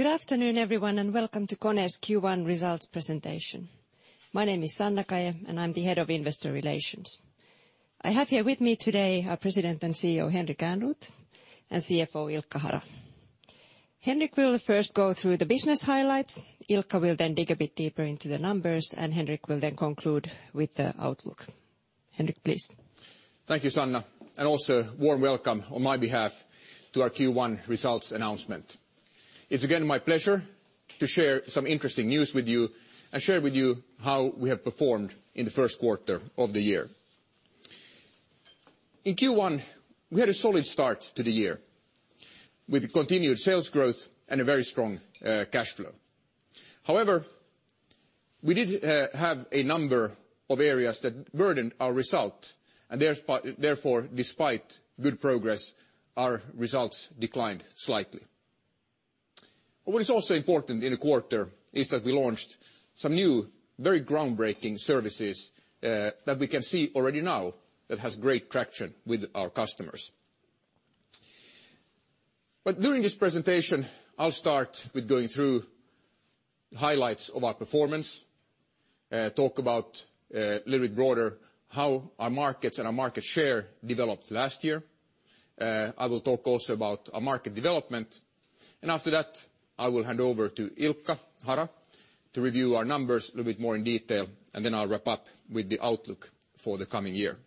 Good afternoon, everyone, and welcome to KONE's Q1 results presentation. My name is Sanna Kaje and I'm the Head of Investor Relations. I have here with me today our President and CEO, Henrik Ehrnrooth, and CFO, Ilkka Hara. Henrik will first go through the business highlights. Ilkka will then dig a bit deeper into the numbers, and Henrik will then conclude with the outlook. Henrik, please. Thank you, Sanna, and also warm welcome on my behalf to our Q1 results announcement. It's again my pleasure to share some interesting news with you and share with you how we have performed in the first quarter of the year. In Q1, we had a solid start to the year with continued sales growth and a very strong cash flow. However, we did have a number of areas that burdened our result, and therefore, despite good progress, our results declined slightly. What is also important in a quarter is that we launched some new, very groundbreaking services, that we can see already now that has great traction with our customers. During this presentation, I'll start with going through the highlights of our performance, talk about a little bit broader how our markets and our market share developed last year. I will talk also about our market development, and after that, I will hand over to Ilkka Hara to review our numbers a little bit more in detail. Then I'll wrap up with the outlook for the coming year.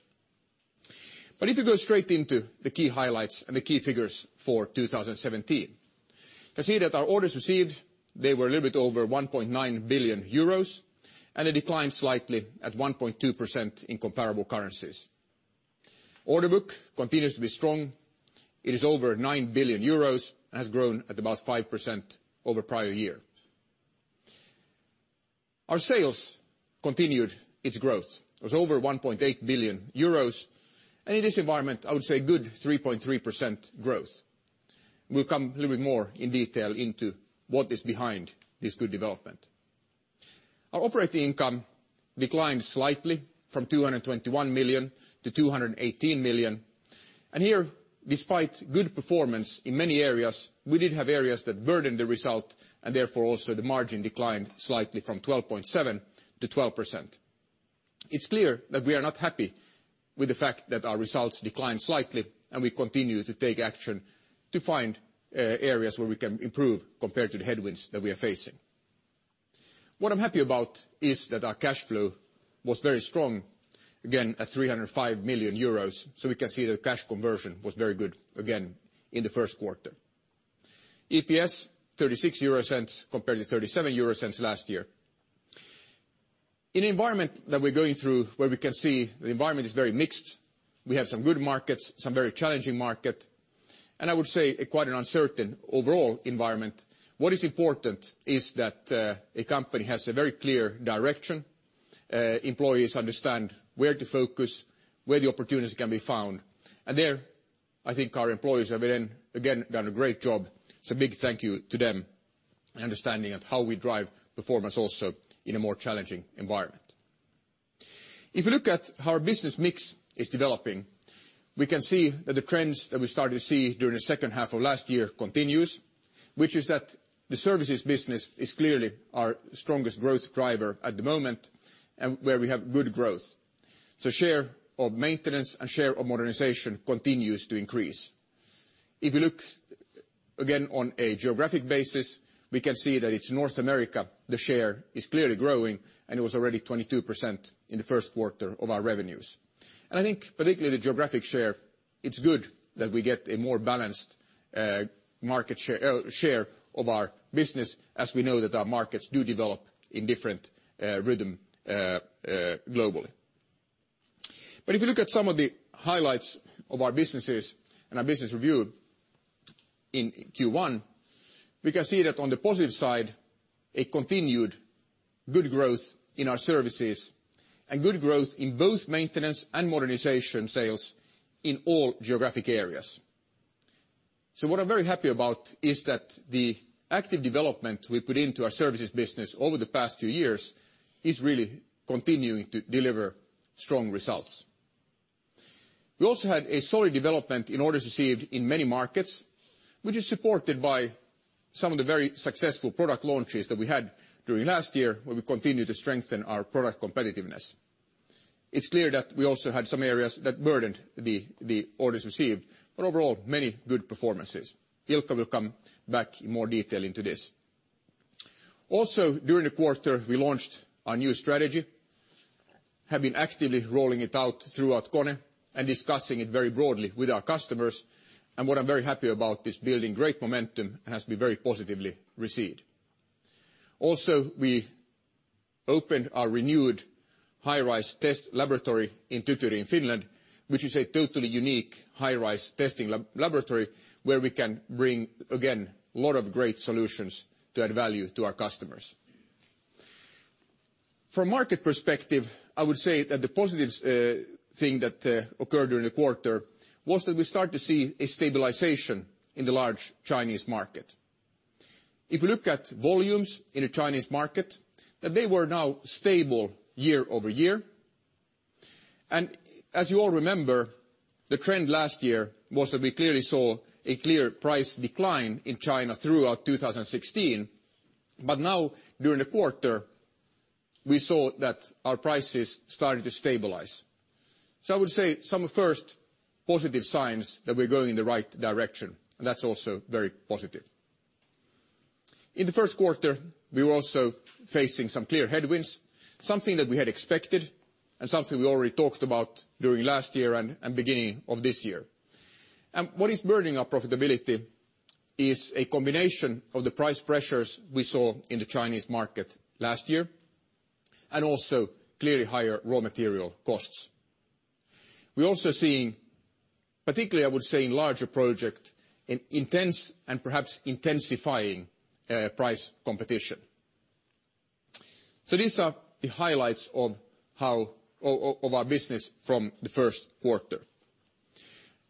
If you go straight into the key highlights and the key figures for 2017, you see that our orders received, they were a little bit over 1.9 billion euros, and it declined slightly at 1.2% in comparable currencies. Order book continues to be strong. It is over 9 billion euros and has grown at about 5% over prior year. Our sales continued its growth. It was over 1.8 billion euros. In this environment, I would say good 3.3% growth. We'll come a little bit more in detail into what is behind this good development. Our operating income declined slightly from 221 million to 218 million. Here, despite good performance in many areas, we did have areas that burdened the result, and therefore, also the margin declined slightly from 12.7%-12%. It's clear that we are not happy with the fact that our results declined slightly, and we continue to take action to find areas where we can improve compared to the headwinds that we are facing. What I'm happy about is that our cash flow was very strong again at 305 million euros, so we can see that cash conversion was very good again in the first quarter. EPS, 0.36 compared to 0.37 last year. In the environment that we're going through, where we can see the environment is very mixed, we have some good markets, some very challenging market, and I would say quite an uncertain overall environment. What is important is that a company has a very clear direction, employees understand where to focus, where the opportunities can be found. There, I think our employees have again done a great job, so big thank you to them, understanding of how we drive performance also in a more challenging environment. If you look at how our business mix is developing, we can see that the trends that we started to see during the second half of last year continues, which is that the services business is clearly our strongest growth driver at the moment, and where we have good growth. Share of maintenance and share of modernization continues to increase. If you look again on a geographic basis, we can see that it's North America, the share is clearly growing, and it was already 22% in the first quarter of our revenues. I think particularly the geographic share, it's good that we get a more balanced market share of our business as we know that our markets do develop in different rhythm globally. If you look at some of the highlights of our businesses and our business review in Q1, we can see that on the positive side, a continued good growth in our services and good growth in both maintenance and modernization sales in all geographic areas. What I'm very happy about is that the active development we put into our services business over the past few years is really continuing to deliver strong results. We also had a solid development in orders received in many markets, which is supported by some of the very successful product launches that we had during last year, where we continue to strengthen our product competitiveness. It's clear that we also had some areas that burdened the orders received, but overall, many good performances. Ilkka will come back in more detail into this. Also, during the quarter, we launched our new strategy, have been actively rolling it out throughout KONE and discussing it very broadly with our customers. What I'm very happy about is building great momentum and has been very positively received. Also, we opened our renewed high-rise test laboratory in Tikkurila, Finland, which is a totally unique high-rise testing laboratory where we can bring, again, lot of great solutions to add value to our customers. From market perspective, I would say that the positives, thing that occurred during the quarter was that we start to see a stabilization in the large Chinese market. If you look at volumes in a Chinese market, that they were now stable year-over-year. As you all remember, the trend last year was that we clearly saw a clear price decline in China throughout 2016. Now during the quarter, we saw that our prices started to stabilize. I would say some first positive signs that we're going in the right direction, and that's also very positive. In the first quarter, we were also facing some clear headwinds, something that we had expected and something we already talked about during last year and beginning of this year. What is burdening our profitability is a combination of the price pressures we saw in the Chinese market last year, and also clearly higher raw material costs. We're also seeing, particularly I would say in larger project, an intense and perhaps intensifying price competition. These are the highlights of our business from the first quarter.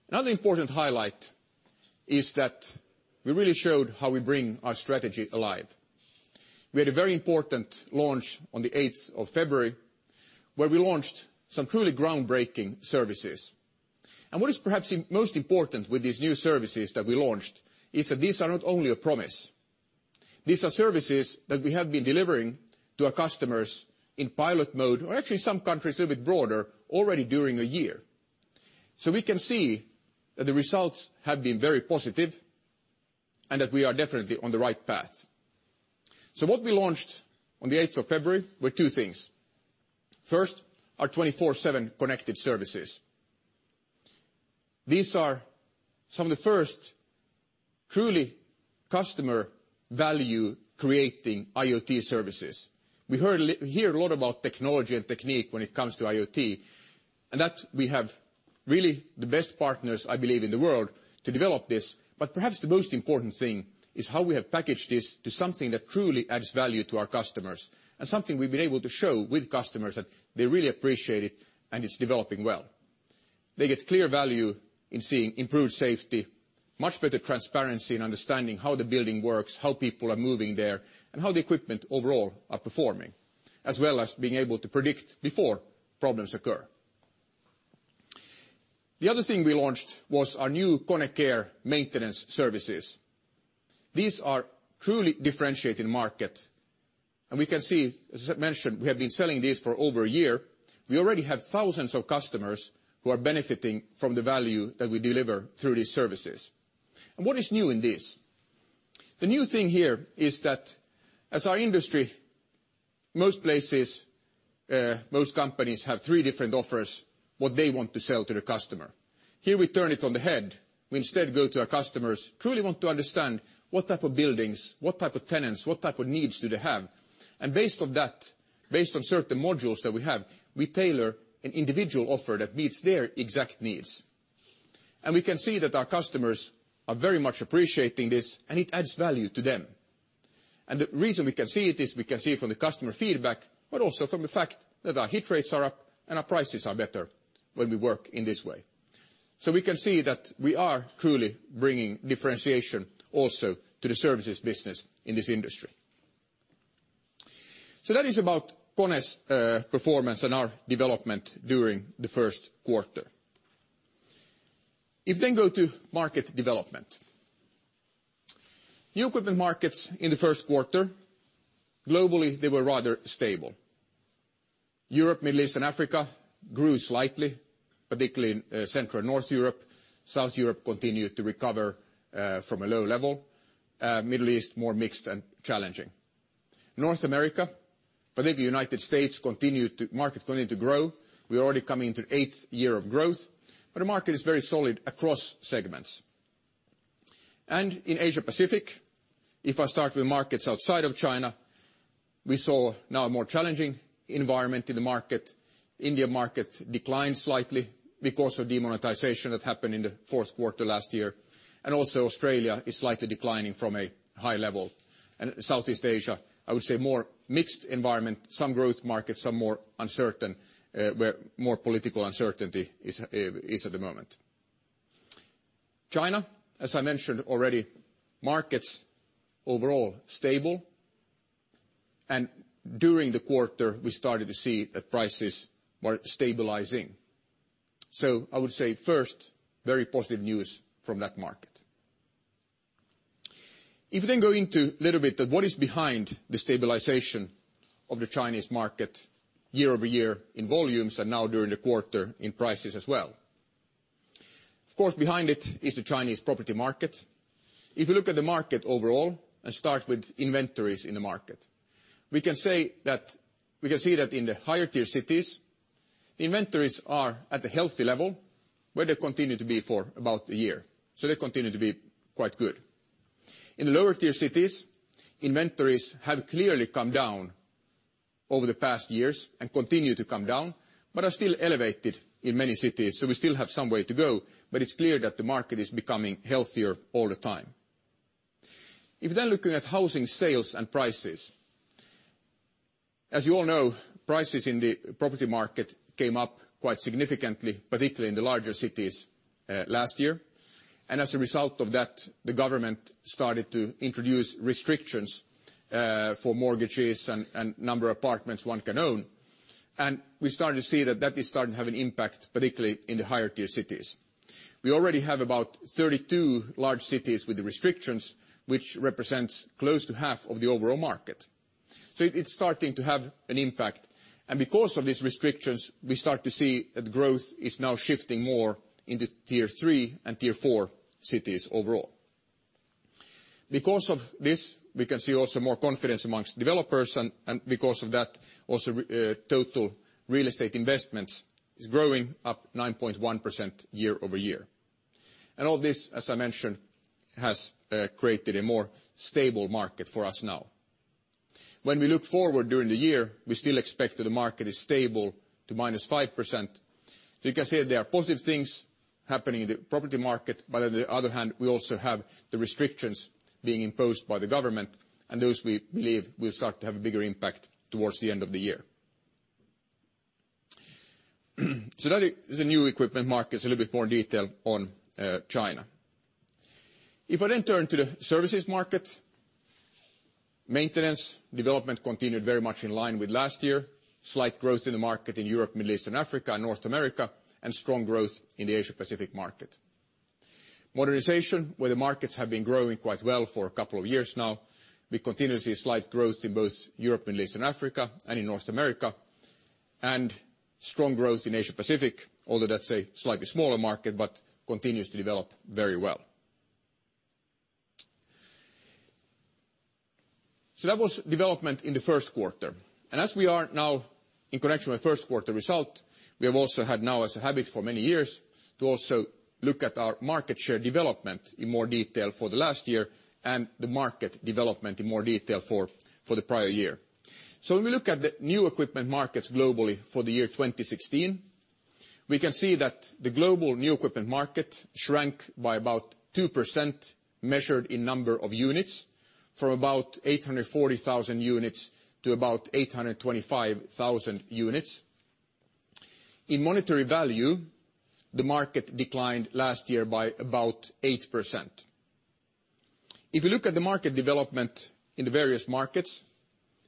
Another important highlight is that we really showed how we bring our strategy alive. We had a very important launch on the 8th of February, where we launched some truly groundbreaking services. What is perhaps most important with these new services that we launched is that these are not only a promise, these are services that we have been delivering to our customers in pilot mode or actually some countries a little bit broader already during the year. We can see that the results have been very positive and that we are definitely on the right path. What we launched on the 8th of February were two things. First, our KONE 24/7 Connected Services. These are some of the first truly customer value creating IoT services. We hear a lot about technology and technique when it comes to IoT, and that we have really the best partners, I believe, in the world to develop this. Perhaps the most important thing is how we have packaged this to something that truly adds value to our customers and something we've been able to show with customers that they really appreciate it and it's developing well. They get clear value in seeing improved safety, much better transparency in understanding how the building works, how people are moving there, and how the equipment overall are performing, as well as being able to predict before problems occur. The other thing we launched was our new KONE Care maintenance services. These are truly differentiating market, and we can see, as I mentioned, we have been selling this for over a year. We already have thousands of customers who are benefiting from the value that we deliver through these services. What is new in this? The new thing here is that as our industry, most places, most companies have three different offers, what they want to sell to the customer. Here we turn it on the head. We instead go to our customers, truly want to understand what type of buildings, what type of tenants, what type of needs do they have. Based on that, based on certain modules that we have, we tailor an individual offer that meets their exact needs. We can see that our customers are very much appreciating this, and it adds value to them. The reason we can see it is we can see it from the customer feedback, but also from the fact that our hit rates are up and our prices are better when we work in this way. We can see that we are truly bringing differentiation also to the services business in this industry. That is about KONE's performance and our development during the first quarter. If then go to market development. New equipment markets in the first quarter, globally, they were rather stable. Europe, Middle East, and Africa grew slightly, particularly in Central and North Europe. South Europe continued to recover from a low level. Middle East, more mixed and challenging. North America, particularly United States, market continued to grow. We're already coming into eighth year of growth, but the market is very solid across segments. In Asia Pacific, if I start with markets outside of China, we saw now a more challenging environment in the market. India market declined slightly because of demonetization that happened in the fourth quarter last year. Also Australia is slightly declining from a high level. Southeast Asia, I would say more mixed environment, some growth markets, some more uncertain, where more political uncertainty is at the moment. China, as I mentioned already, markets overall stable. During the quarter, we started to see that prices were stabilizing. I would say first, very positive news from that market. If we go into a little bit what is behind the stabilization of the Chinese market year-over-year in volumes and now during the quarter in prices as well. Of course, behind it is the Chinese property market. We're starting to see that is starting to have an impact, particularly in the higher tier cities. We already have about 32 large cities with the restrictions, which represents close to half of the overall market. It's starting to have an impact. Because of these restrictions, we start to see that growth is now shifting more into tier 3 and tier 4 cities overall. Because of this, we can see also more confidence amongst developers and because of that, also total real estate investments is growing up 9.1% year-over-year. All this, as I mentioned, has created a more stable market for us now. When we look forward during the year, we still expect that the market is stable to -5%. You can say there are positive things happening in the property market, but on the other hand, we also have the restrictions being imposed by the government. Those we believe will start to have a bigger impact towards the end of the year. That is the new equipment markets, a little bit more detail on China. If I turn to the services market, maintenance, development continued very much in line with last year. Slight growth in the market in Europe, Middle East and Africa, and North America, we have also had now as a habit for many years to also look at our market share development in more detail for the last year and the market development in more detail for the prior year. When we look at the new equipment markets globally for the year 2016, we can see that the global new equipment market shrank by about 2% measured in number of units from about 840,000 units to about 825,000 units. In monetary value, the market declined last year by about 8%. If you look at the market development in the various markets,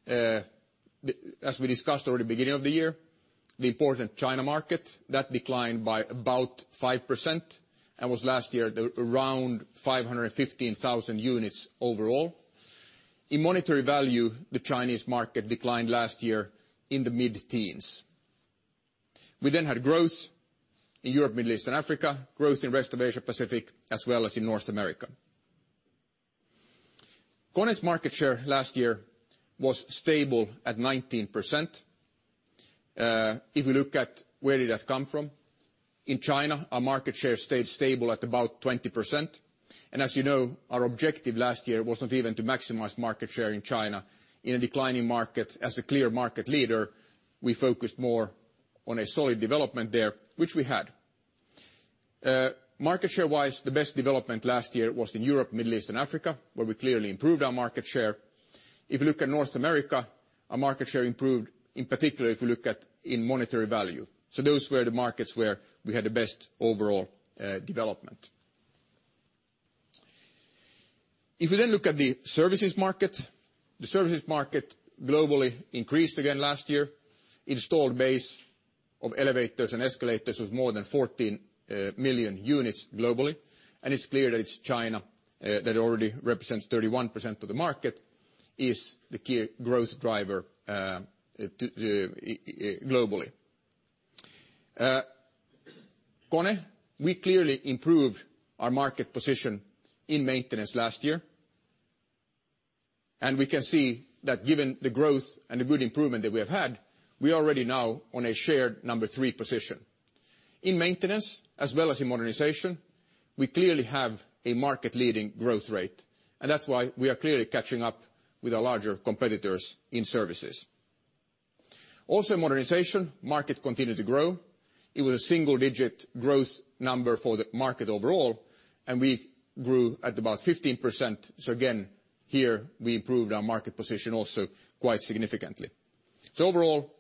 as we discussed already at the beginning of the year, the important China market, that declined by about 5% and was last year around 515,000 units overall. In monetary value, the Chinese market declined last year in the mid-teens. We had growth in Europe, Middle East and Africa, growth in rest of Asia Pacific, as well as in North America. KONE's market share last year was stable at 19%. If we look at where did that come from, in China, our market share stayed stable at about 20%. As you know, our objective last year was not even to maximize market share in China. In a declining market as a clear market leader, we focused more on a solid development there, which we had. Market share wise, the best development last year was in Europe, Middle East, and Africa, where we clearly improved our market share. If you look at North America, our market share improved, in particular if we look at in monetary value. Those were the markets where we had the best overall development. If we look at the services market, the services market globally increased again last year. Installed base of elevators and escalators was more than 14 million units globally. It's clear that it's China that already represents 31% of the market, is the key growth driver globally. KONE, we clearly improved our market position in maintenance last year. We can see that given the growth and the good improvement that we have had, we are already now on a shared number 3 position. In maintenance as well as in modernization, we clearly have a market leading growth rate, and that's why we are clearly catching up with our larger competitors in services. Modernization market continued to grow. It was a single-digit growth number for the market overall, and we grew at about 15%. Again, here we improved our market position also quite significantly. Overall,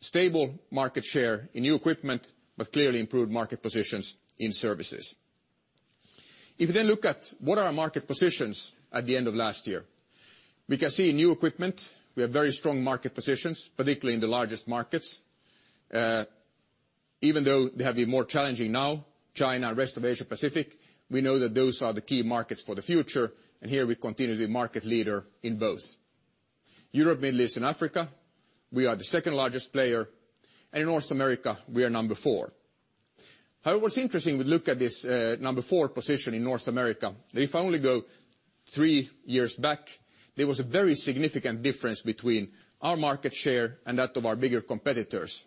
stable market share in new equipment, but clearly improved market positions in services. If you look at what are our market positions at the end of last year. We can see new equipment. We have very strong market positions, particularly in the largest markets. Even though they have been more challenging now, China and rest of Asia Pacific, we know that those are the key markets for the future. Here we continue to be market leader in both. Europe, Middle East and Africa, we are the second largest player, and in North America, we are number 4. However, it's interesting we look at this number 4 position in North America. If I only go three years back, there was a very significant difference between our market share and that of our bigger competitors.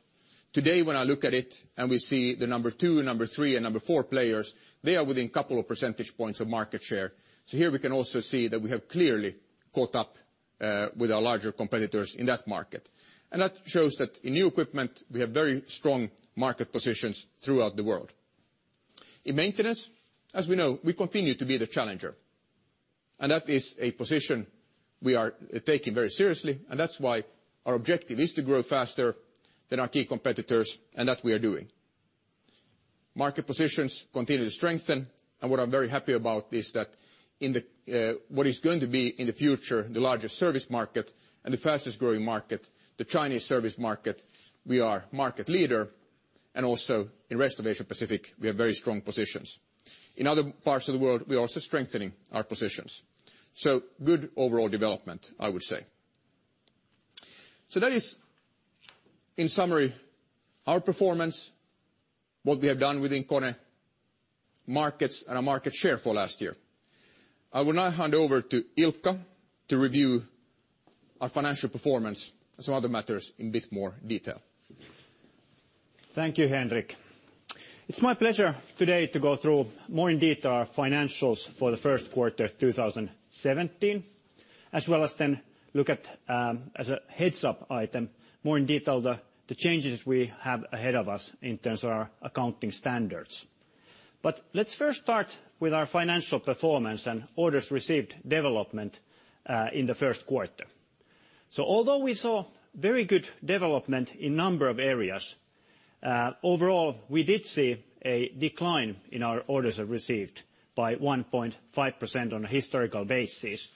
Today, when I look at it and we see the number 2, number 3, and number 4 players, they are within a couple of percentage points of market share. Here we can also see that we have clearly caught up with our larger competitors in that market. That shows that in new equipment, we have very strong market positions throughout the world. In maintenance, as we know, we continue to be the challenger. That is a position we are taking very seriously, and that's why our objective is to grow faster than our key competitors, and that we are doing. Market positions continue to strengthen. What I'm very happy about is that in the, what is going to be in the future, the largest service market and the fastest-growing market, the Chinese service market, we are market leader, and also in rest of Asia Pacific, we have very strong positions. In other parts of the world, we are also strengthening our positions. Good overall development, I would say. That is, in summary, our performance, what we have done within KONE, markets, and our market share for last year. I will now hand over to Ilkka to review our financial performance and some other matters in bit more detail. Thank you, Henrik. It's my pleasure today to go through more in detail our financials for the first quarter 2017, as well as then look at, as a heads-up item, more in detail the changes we have ahead of us in terms of our accounting standards. Let's first start with our financial performance and orders received development, in the first quarter. Although we saw very good development in number of areas, overall, we did see a decline in our orders received by 1.5% on a historical basis,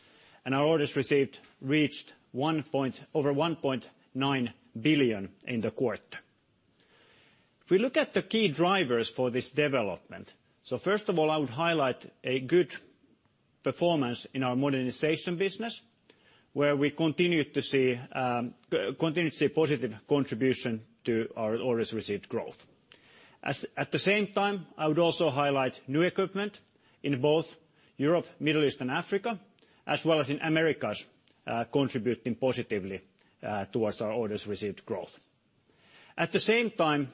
and our orders received reached over 1.9 billion in the quarter. If we look at the key drivers for this development, first of all, I would highlight a good performance in our modernization business, where we continue to see positive contribution to our orders received growth. At the same time, I would also highlight new equipment in both Europe, Middle East, and Africa, as well as in Americas, contributing positively towards our orders received growth. At the same time,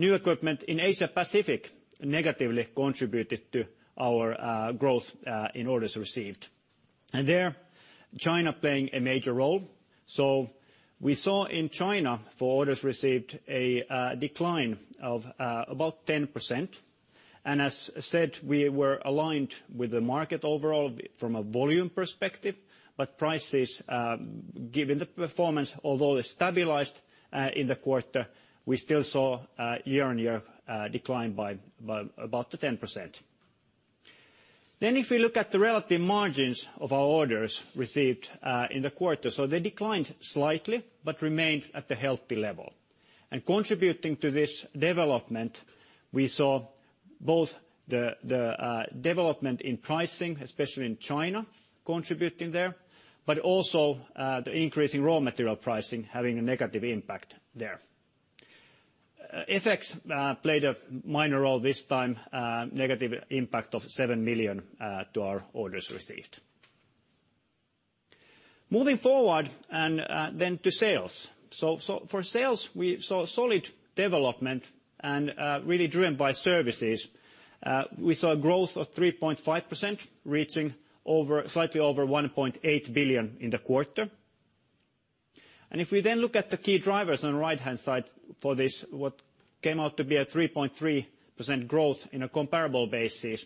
new equipment in Asia Pacific negatively contributed to our growth in orders received, and there, China playing a major role. We saw in China, for orders received, a decline of about 10%. As said, we were aligned with the market overall from a volume perspective, but prices, given the performance, although they stabilized in the quarter, we still saw a year-over-year decline by about 10%. If we look at the relative margins of our orders received, in the quarter. They declined slightly but remained at a healthy level. Contributing to this development, we saw both the development in pricing, especially in China, contributing there, but also the increase in raw material pricing having a negative impact there. FX played a minor role this time, negative impact of 7 million to our orders received. To sales. For sales, we saw solid development and really driven by services. We saw a growth of 3.5%, reaching slightly over 1.8 billion in the quarter. If we then look at the key drivers on the right-hand side for this, what came out to be a 3.3% growth in a comparable basis.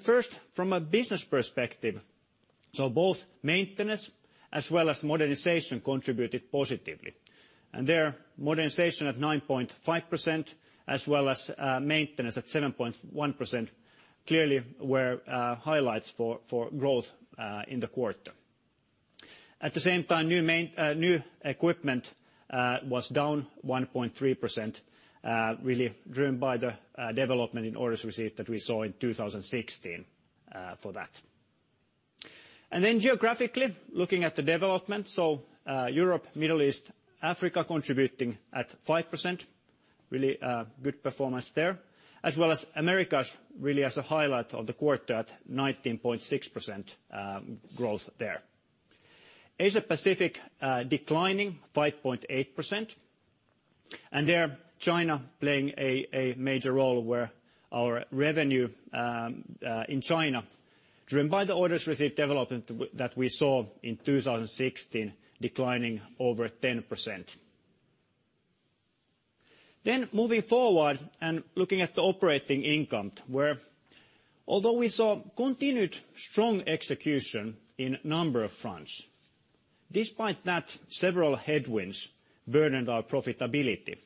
First, from a business perspective, both maintenance as well as modernization contributed positively. There, modernization at 9.5% as well as maintenance at 7.1% clearly were highlights for growth in the quarter. New equipment was down 1.3%, really driven by the development in orders received that we saw in 2016 for that. Geographically, looking at the development, Europe, Middle East, Africa contributing at 5%, really good performance there, as well as Americas really as a highlight of the quarter at 19.6% growth there. Asia Pacific declining 5.8%, and there China playing a major role where our revenue in China, driven by the orders received development that we saw in 2016, declining over 10%. Looking at the operating income, where although we saw continued strong execution in number of fronts, despite that, several headwinds burdened our profitability.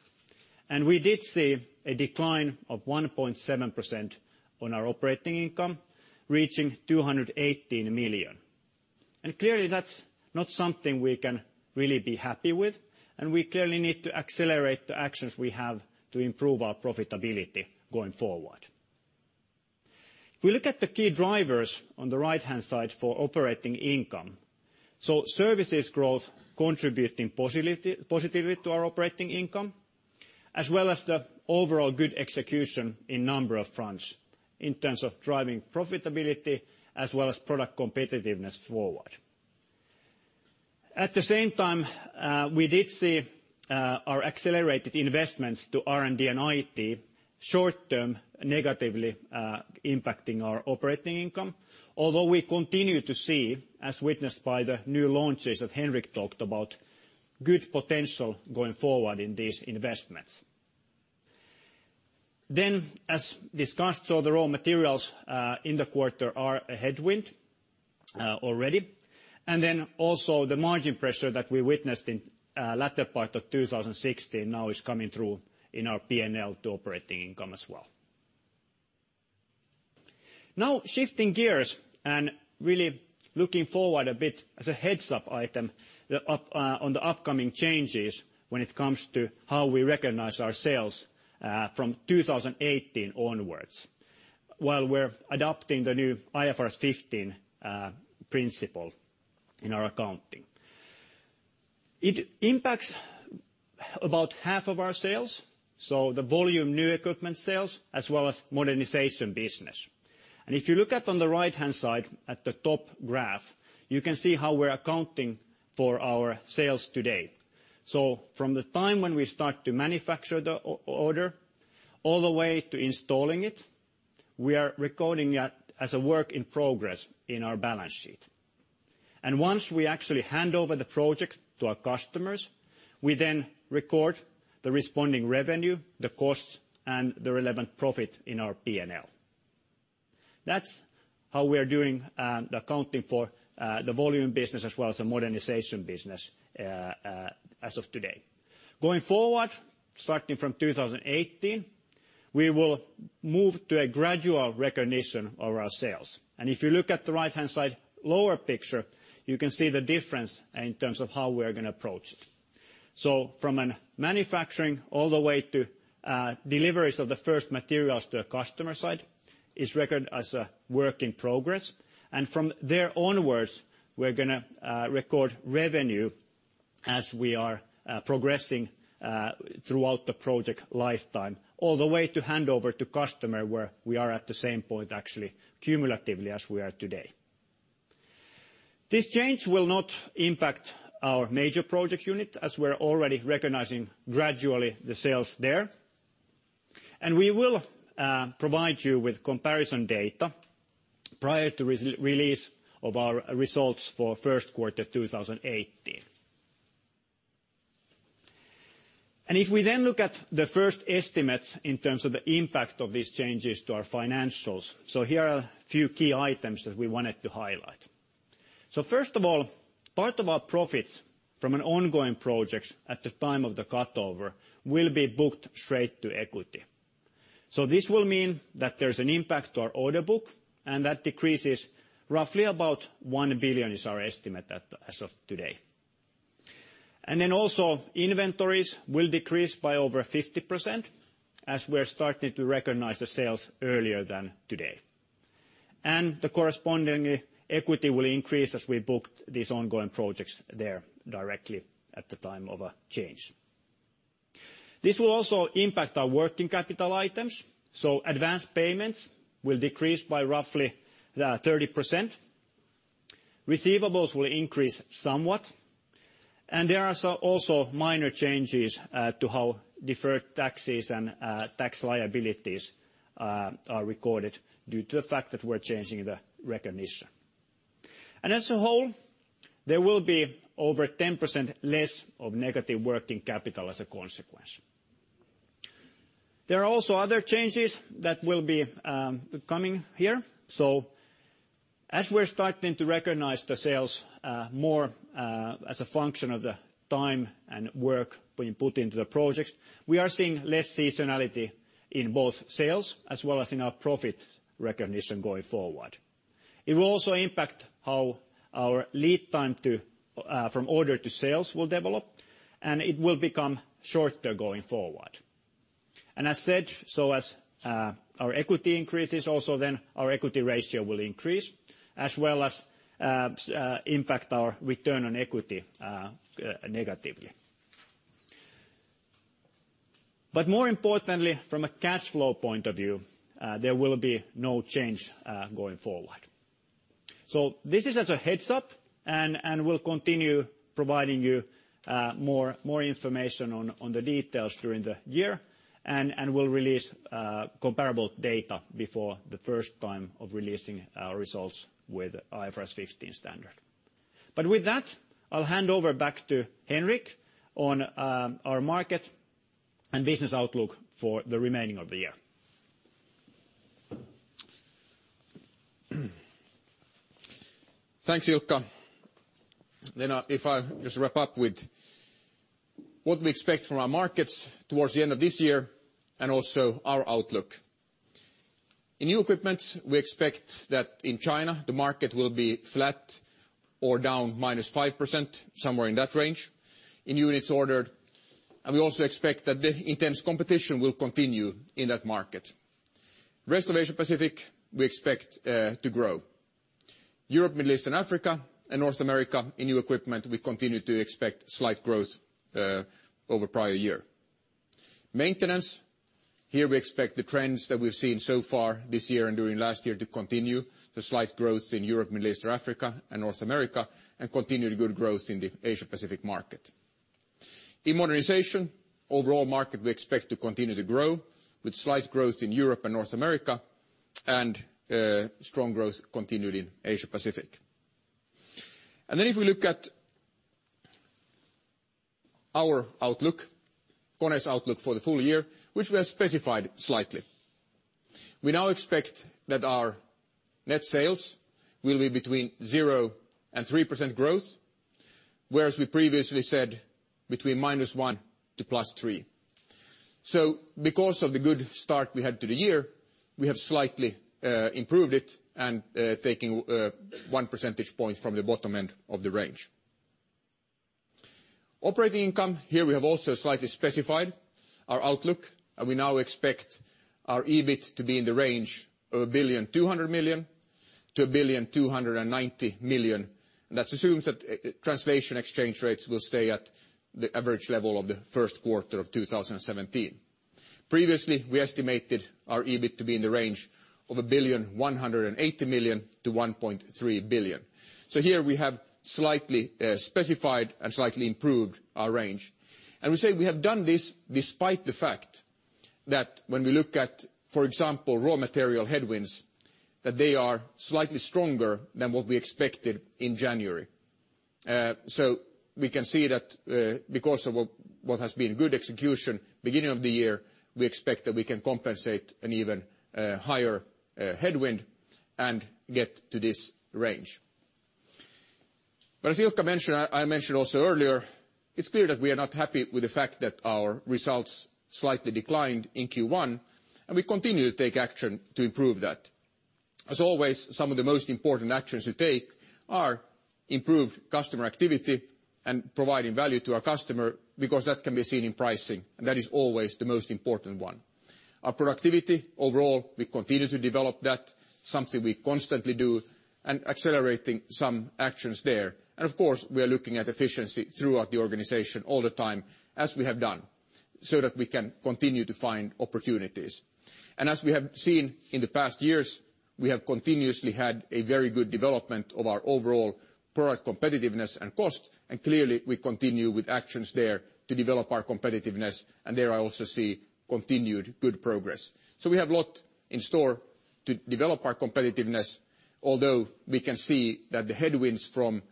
We did see a decline of 1.7% on our operating income, reaching 218 million. Clearly that's not something we can really be happy with, and we clearly need to accelerate the actions we have to improve our profitability going forward. If we look at the key drivers on the right-hand side for operating income, services growth contributing positively to our operating income, as well as the overall good execution in number of fronts in terms of driving profitability as well as product competitiveness forward. At the same time, we did see our accelerated investments to R&D and IT short term negatively impacting our operating income. Although we continue to see, as witnessed by the new launches that Henrik talked about, good potential going forward in these investments. As discussed, the raw materials in the quarter are a headwind already. The margin pressure that we witnessed in the latter part of 2016 now is coming through in our P&L to operating income as well. Shifting gears and really looking forward a bit as a heads-up item on the upcoming changes when it comes to how we recognize our sales from 2018 onwards, while we're adopting the new IFRS 15 principle in our accounting. It impacts about half of our sales, so the volume new equipment sales as well as modernization business. If you look at on the right-hand side, at the top graph, you can see how we're accounting for our sales today. From the time when we start to manufacture the order, all the way to installing it, we are recording that as a work in progress in our balance sheet. Once we actually hand over the project to our customers, we then record the responding revenue, the costs, and the relevant profit in our P&L. That's how we are doing the accounting for the volume business as well as the modernization business as of today. Going forward, starting from 2018, we will move to a gradual recognition of our sales. If you look at the right-hand side lower picture, you can see the difference in terms of how we're going to approach it. From a manufacturing all the way to deliveries of the first materials to a customer site is recorded as a work in progress. From there onwards, we're going to record revenue as we are progressing throughout the project lifetime, all the way to hand over to customer where we are at the same point actually cumulatively as we are today. This change will not impact our major project unit, as we're already recognizing gradually the sales there. We will provide you with comparison data prior to release of our results for first quarter 2018. If we then look at the first estimate in terms of the impact of these changes to our financials, here are a few key items that we wanted to highlight. First of all, part of our profits from an ongoing project at the time of the cutover will be booked straight to equity. This will mean that there's an impact to our order book, and that decrease is roughly about 1 billion, is our estimate as of today. Then also inventories will decrease by over 50% as we're starting to recognize the sales earlier than today. The corresponding equity will increase as we book these ongoing projects there directly at the time of a change. This will also impact our working capital items, advanced payments will decrease by roughly 30%. Receivables will increase somewhat. There are also minor changes to how deferred taxes and tax liabilities are recorded due to the fact that we're changing the recognition. As a whole, there will be over 10% less of negative working capital as a consequence. There are also other changes that will be coming here. As we're starting to recognize the sales more as a function of the time and work being put into the projects, we are seeing less seasonality in both sales as well as in our profit recognition going forward. It will also impact how our lead time from order to sales will develop, it will become shorter going forward. As said, as our equity increases also, our equity ratio will increase as well as impact our return on equity negatively. More importantly, from a cash flow point of view, there will be no change going forward. This is as a heads up, we'll continue providing you more information on the details during the year, we'll release comparable data before the first time of releasing our results with IFRS 15 standard. With that, I'll hand over back to Henrik on our market and business outlook for the remaining of the year. Thanks, Ilkka. If I just wrap up with what we expect from our markets towards the end of this year and also our outlook. In new equipment, we expect that in China, the market will be flat or down -5%, somewhere in that range in units ordered. We also expect that the intense competition will continue in that market. Rest of Asia Pacific, we expect to grow. Europe, Middle East and Africa, and North America, in new equipment, we continue to expect slight growth over prior year. Maintenance, here we expect the trends that we've seen so far this year and during last year to continue, the slight growth in Europe, Middle East and Africa and North America, and continued good growth in the Asia Pacific market. In modernization, overall market we expect to continue to grow, with slight growth in Europe and North America, and strong growth continued in Asia Pacific. Our outlook, KONE's outlook for the full year, which we have specified slightly. We now expect that our net sales will be between 0% and 3% growth, whereas we previously said between -1% to +3%. Because of the good start we had to the year, we have slightly improved it and taking one percentage point from the bottom end of the range. Operating income, here we have also slightly specified our outlook. We now expect our EBIT to be in the range of 1.2 billion to 1.29 billion. That assumes that translation exchange rates will stay at the average level of the first quarter of 2017. Previously, we estimated our EBIT to be in the range of 1.18 billion to 1.3 billion. Here we have slightly specified and slightly improved our range. We say we have done this despite the fact that when we look at, for example, raw material headwinds, that they are slightly stronger than what we expected in January. We can see that because of what has been good execution beginning of the year, we expect that we can compensate an even higher headwind and get to this range. As Ilkka mentioned, I mentioned also earlier, it is clear that we are not happy with the fact that our results slightly declined in Q1. We continue to take action to improve that. As always, some of the most important actions we take are improved customer activity and providing value to our customer, because that can be seen in pricing, and that is always the most important one. Our productivity overall, we continue to develop that, something we constantly do and accelerating some actions there. Of course, we are looking at efficiency throughout the organization all the time as we have done, so that we can continue to find opportunities. As we have seen in the past years, we have continuously had a very good development of our overall product competitiveness and cost. Clearly we continue with actions there to develop our competitiveness. There I also see continued good progress. We have a lot in store to develop our competitiveness, although we can see that the headwinds from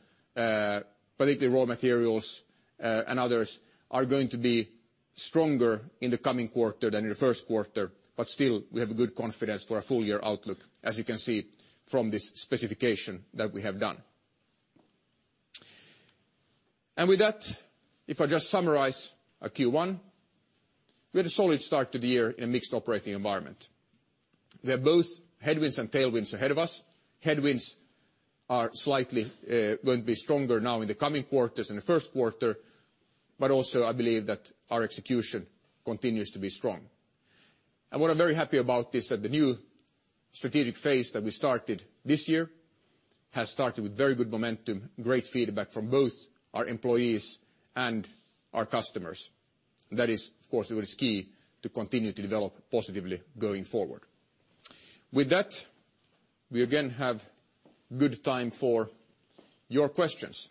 particularly raw materials, and others are going to be stronger in the coming quarter than in the first quarter. Still, we have good confidence for our full year outlook, as you can see from this specification that we have done. With that, if I just summarize our Q1, we had a solid start to the year in a mixed operating environment. We have both headwinds and tailwinds ahead of us. Headwinds are slightly going to be stronger now in the coming quarters than the first quarter, but also I believe that our execution continues to be strong. What I'm very happy about is that the new strategic phase that we started this year has started with very good momentum, great feedback from both our employees and our customers. That is, of course, what is key to continue to develop positively going forward. With that, we again have good time for your questions.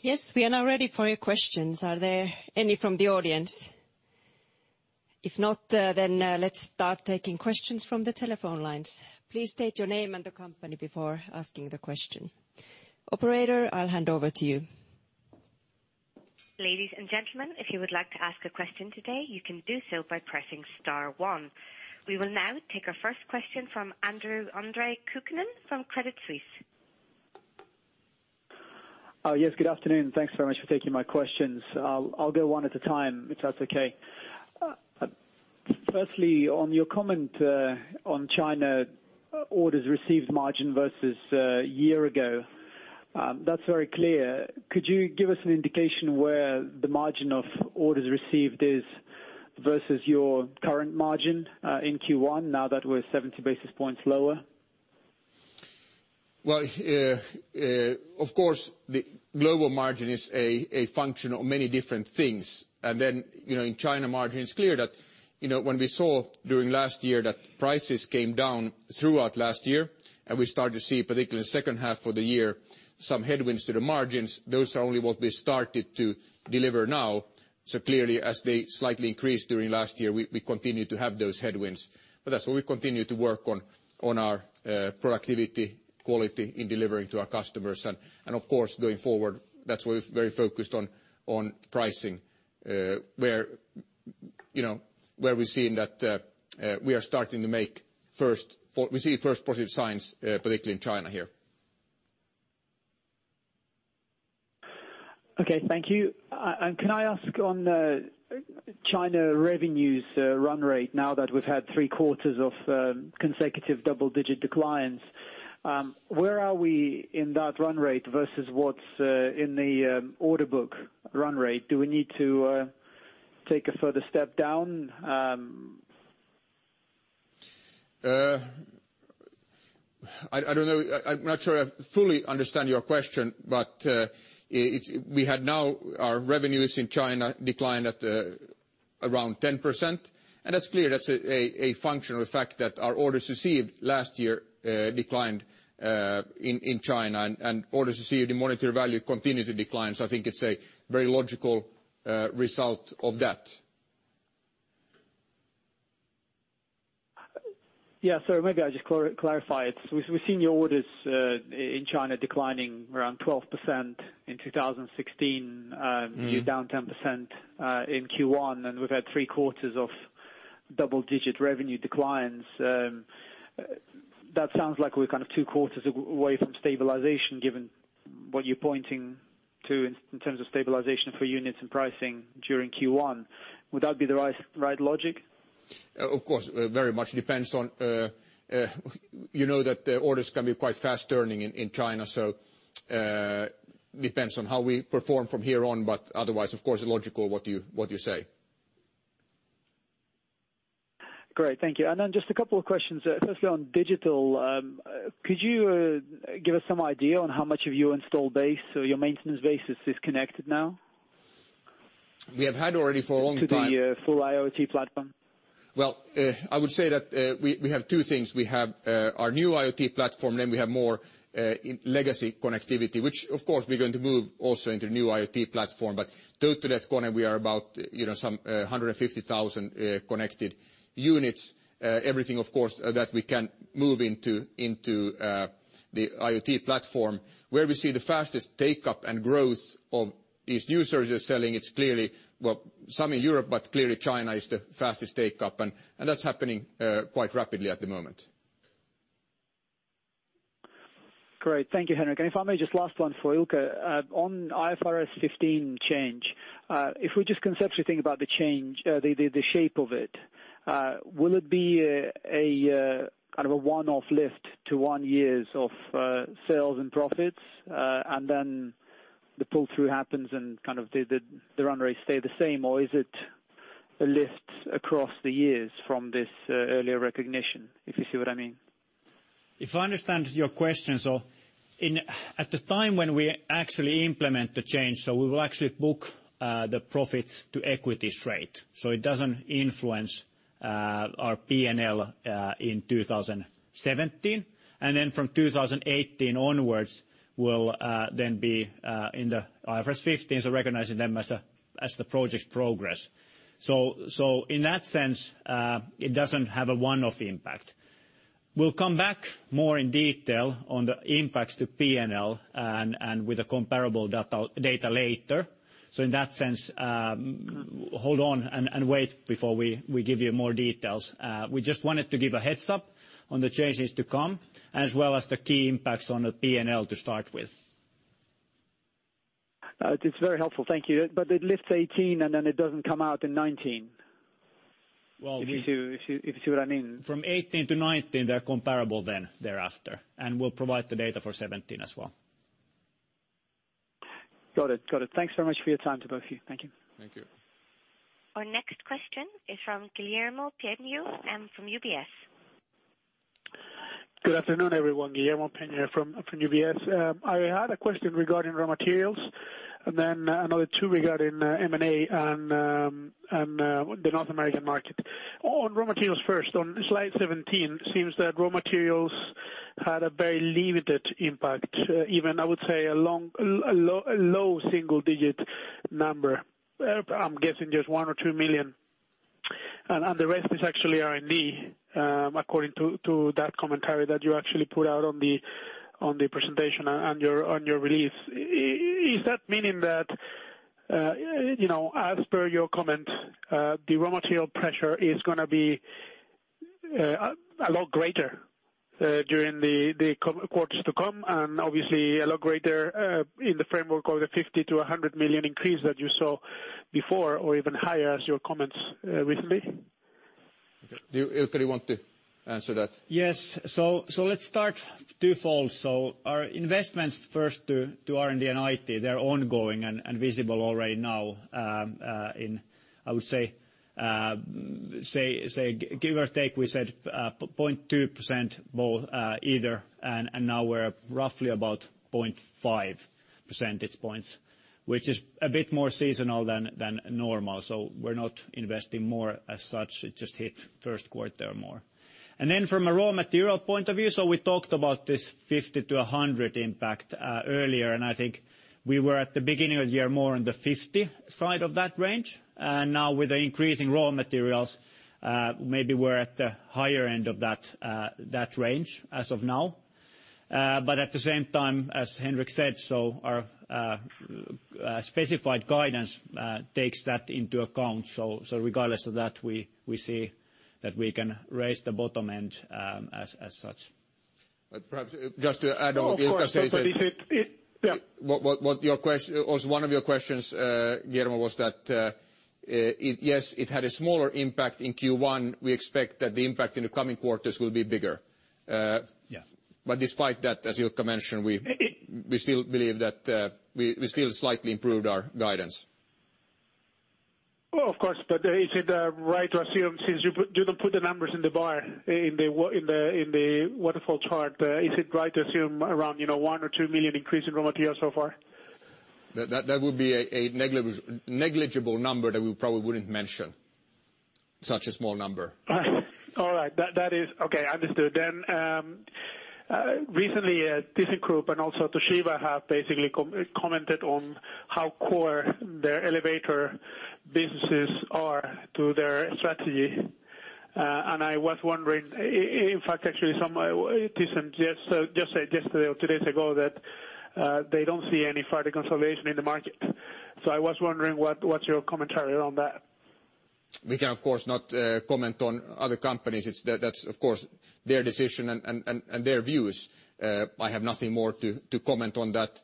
Yes, we are now ready for your questions. Are there any from the audience? If not, let's start taking questions from the telephone lines. Please state your name and the company before asking the question. Operator, I'll hand over to you. Ladies and gentlemen, if you would like to ask a question today, you can do so by pressing star one. We will now take our first question from Andre Kukhnin from Credit Suisse. Yes, good afternoon. Thanks very much for taking my questions. I'll go one at a time, if that's okay. Firstly, on your comment on China orders received margin versus a year ago. That's very clear. Could you give us an indication where the margin of orders received is versus your current margin in Q1 now that we're 70 basis points lower? Well, of course, the global margin is a function of many different things. In China margin, it's clear that when we saw during last year that prices came down throughout last year, and we started to see, particularly in the second half of the year, some headwinds to the margins, those are only what we started to deliver now. Clearly, as they slightly increased during last year, we continue to have those headwinds. That's what we continue to work on, our productivity, quality in delivering to our customers. Going forward, that's why we're very focused on pricing, where we're seeing that We see first positive signs, particularly in China here. Okay, thank you. Can I ask on China revenues run rate now that we've had three quarters of consecutive double-digit declines, where are we in that run rate versus what's in the order book run rate? Do we need to take a further step down? I don't know. I'm not sure I fully understand your question, we had now our revenues in China declined at around 10%. That's clear. That's a function of the fact that our orders received last year declined in China, and orders received in monetary value continue to decline. I think it's a very logical result of that. Yeah. Maybe I just clarify it. We've seen your orders in China declining around 12% in 2016. You're down 10% in Q1. We've had three quarters of double-digit revenue declines. That sounds like we're kind of two quarters away from stabilization, given what you're pointing to in terms of stabilization for units and pricing during Q1. Would that be the right logic? Of course, very much depends on, you know that the orders can be quite fast turning in China. Depends on how we perform from here on. Otherwise, of course, logical, what you say. Great. Thank you. Just a couple of questions. Firstly, on digital, could you give us some idea on how much of your install base or your maintenance base is connected now? We have had already for a long time. To the full IoT platform. Well, I would say that we have two things. We have our new IoT platform, we have more legacy connectivity, which of course, we're going to move also into the new IoT platform. Total at KONE we are about some 150,000 connected units. Everything, of course, that we can move into the IoT platform. Where we see the fastest take-up and growth of these new services selling, it's clearly, well, some in Europe, but clearly China is the fastest take-up, and that's happening quite rapidly at the moment. Great. Thank you, Henrik. If I may, just last one for Ilkka. On IFRS 15 change, if we just conceptually think about the change, the shape of it, will it be a one-off lift to one years of sales and profits? The pull-through happens and kind of the run rates stay the same, or is it lifts across the years from this earlier recognition, if you see what I mean? If I understand your question, at the time when we actually implement the change, we will actually book the profits to equity straight. It doesn't influence our P&L in 2017. From 2018 onwards will then be in the IFRS 15, recognizing them as the projects progress. In that sense, it doesn't have a one-off impact. We'll come back more in detail on the impacts to P&L and with the comparable data later. In that sense, hold on and wait before we give you more details. We just wanted to give a heads-up on the changes to come, as well as the key impacts on the P&L to start with. It's very helpful. Thank you. It lifts 2018, it doesn't come out in 2019. Well, If you see what I mean From 2018 to 2019, they're comparable then thereafter. We'll provide the data for 2017 as well. Got it. Thanks so much for your time to both of you. Thank you. Thank you. Our next question is from Guillermo Peigneux-Lojo from UBS. Good afternoon, everyone. Guillermo Peigneux-Lojo from UBS. I had a question regarding raw materials, and then another two regarding M&A and the North American market. On raw materials first, on slide 17, seems that raw materials had a very limited impact. Even, I would say, a low single-digit number. I'm guessing just one or two million EUR. The rest is actually R&D, according to that commentary that you actually put out on the presentation and on your release. Is that meaning that, as per your comment, the raw material pressure is going to be a lot greater during the quarters to come, and obviously a lot greater in the framework of the 50 million-100 million increase that you saw before or even higher as your comments recently? Ilkka, do you want to answer that? Yes. Let's start twofold. Our investments first to R&D and IT, they're ongoing and visible already now in, I would say, give or take, we said 0.2% both, either, and now we're roughly about 0.5 percentage points, which is a bit more seasonal than normal. We're not investing more as such. It just hit first quarter more. From a raw material point of view, we talked about this 50 million-100 million impact earlier, and I think we were at the beginning of the year more on the 50 side of that range. Now with the increase in raw materials, maybe we're at the higher end of that range as of now. At the same time, as Henrik said, our specified guidance takes that into account. Regardless of that, we see that we can raise the bottom end as such. Perhaps just to add on what Ilkka says. Of course. Yeah. One of your questions, Guillermo, was that, yes, it had a smaller impact in Q1. We expect that the impact in the coming quarters will be bigger. Yeah. Despite that, as Ilkka mentioned, we still believe that we still slightly improved our guidance. Well, of course, is it right to assume since you don't put the numbers in the bar in the waterfall chart, is it right to assume around 1 million-2 million increase in raw material so far? That would be a negligible number that we probably wouldn't mention, such a small number. All right. Okay, understood then. Recently, ThyssenKrupp and also Toshiba have basically commented on how core their elevator businesses are to their strategy. I was wondering, in fact, actually some, Thyssen just said yesterday or two days ago that they don't see any further consolidation in the market. I was wondering what's your commentary on that? We can, of course, not comment on other companies. That's, of course, their decision and their views. I have nothing more to comment on that.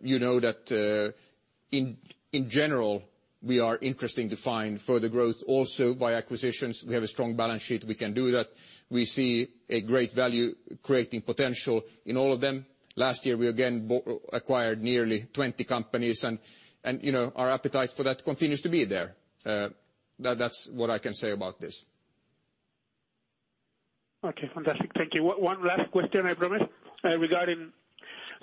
You know that in general, we are interesting to find further growth also by acquisitions. We have a strong balance sheet. We can do that. We see a great value-creating potential in all of them. Last year, we again acquired nearly 20 companies and our appetite for that continues to be there. That's what I can say about this. Okay, fantastic. Thank you. One last question, I promise. Regarding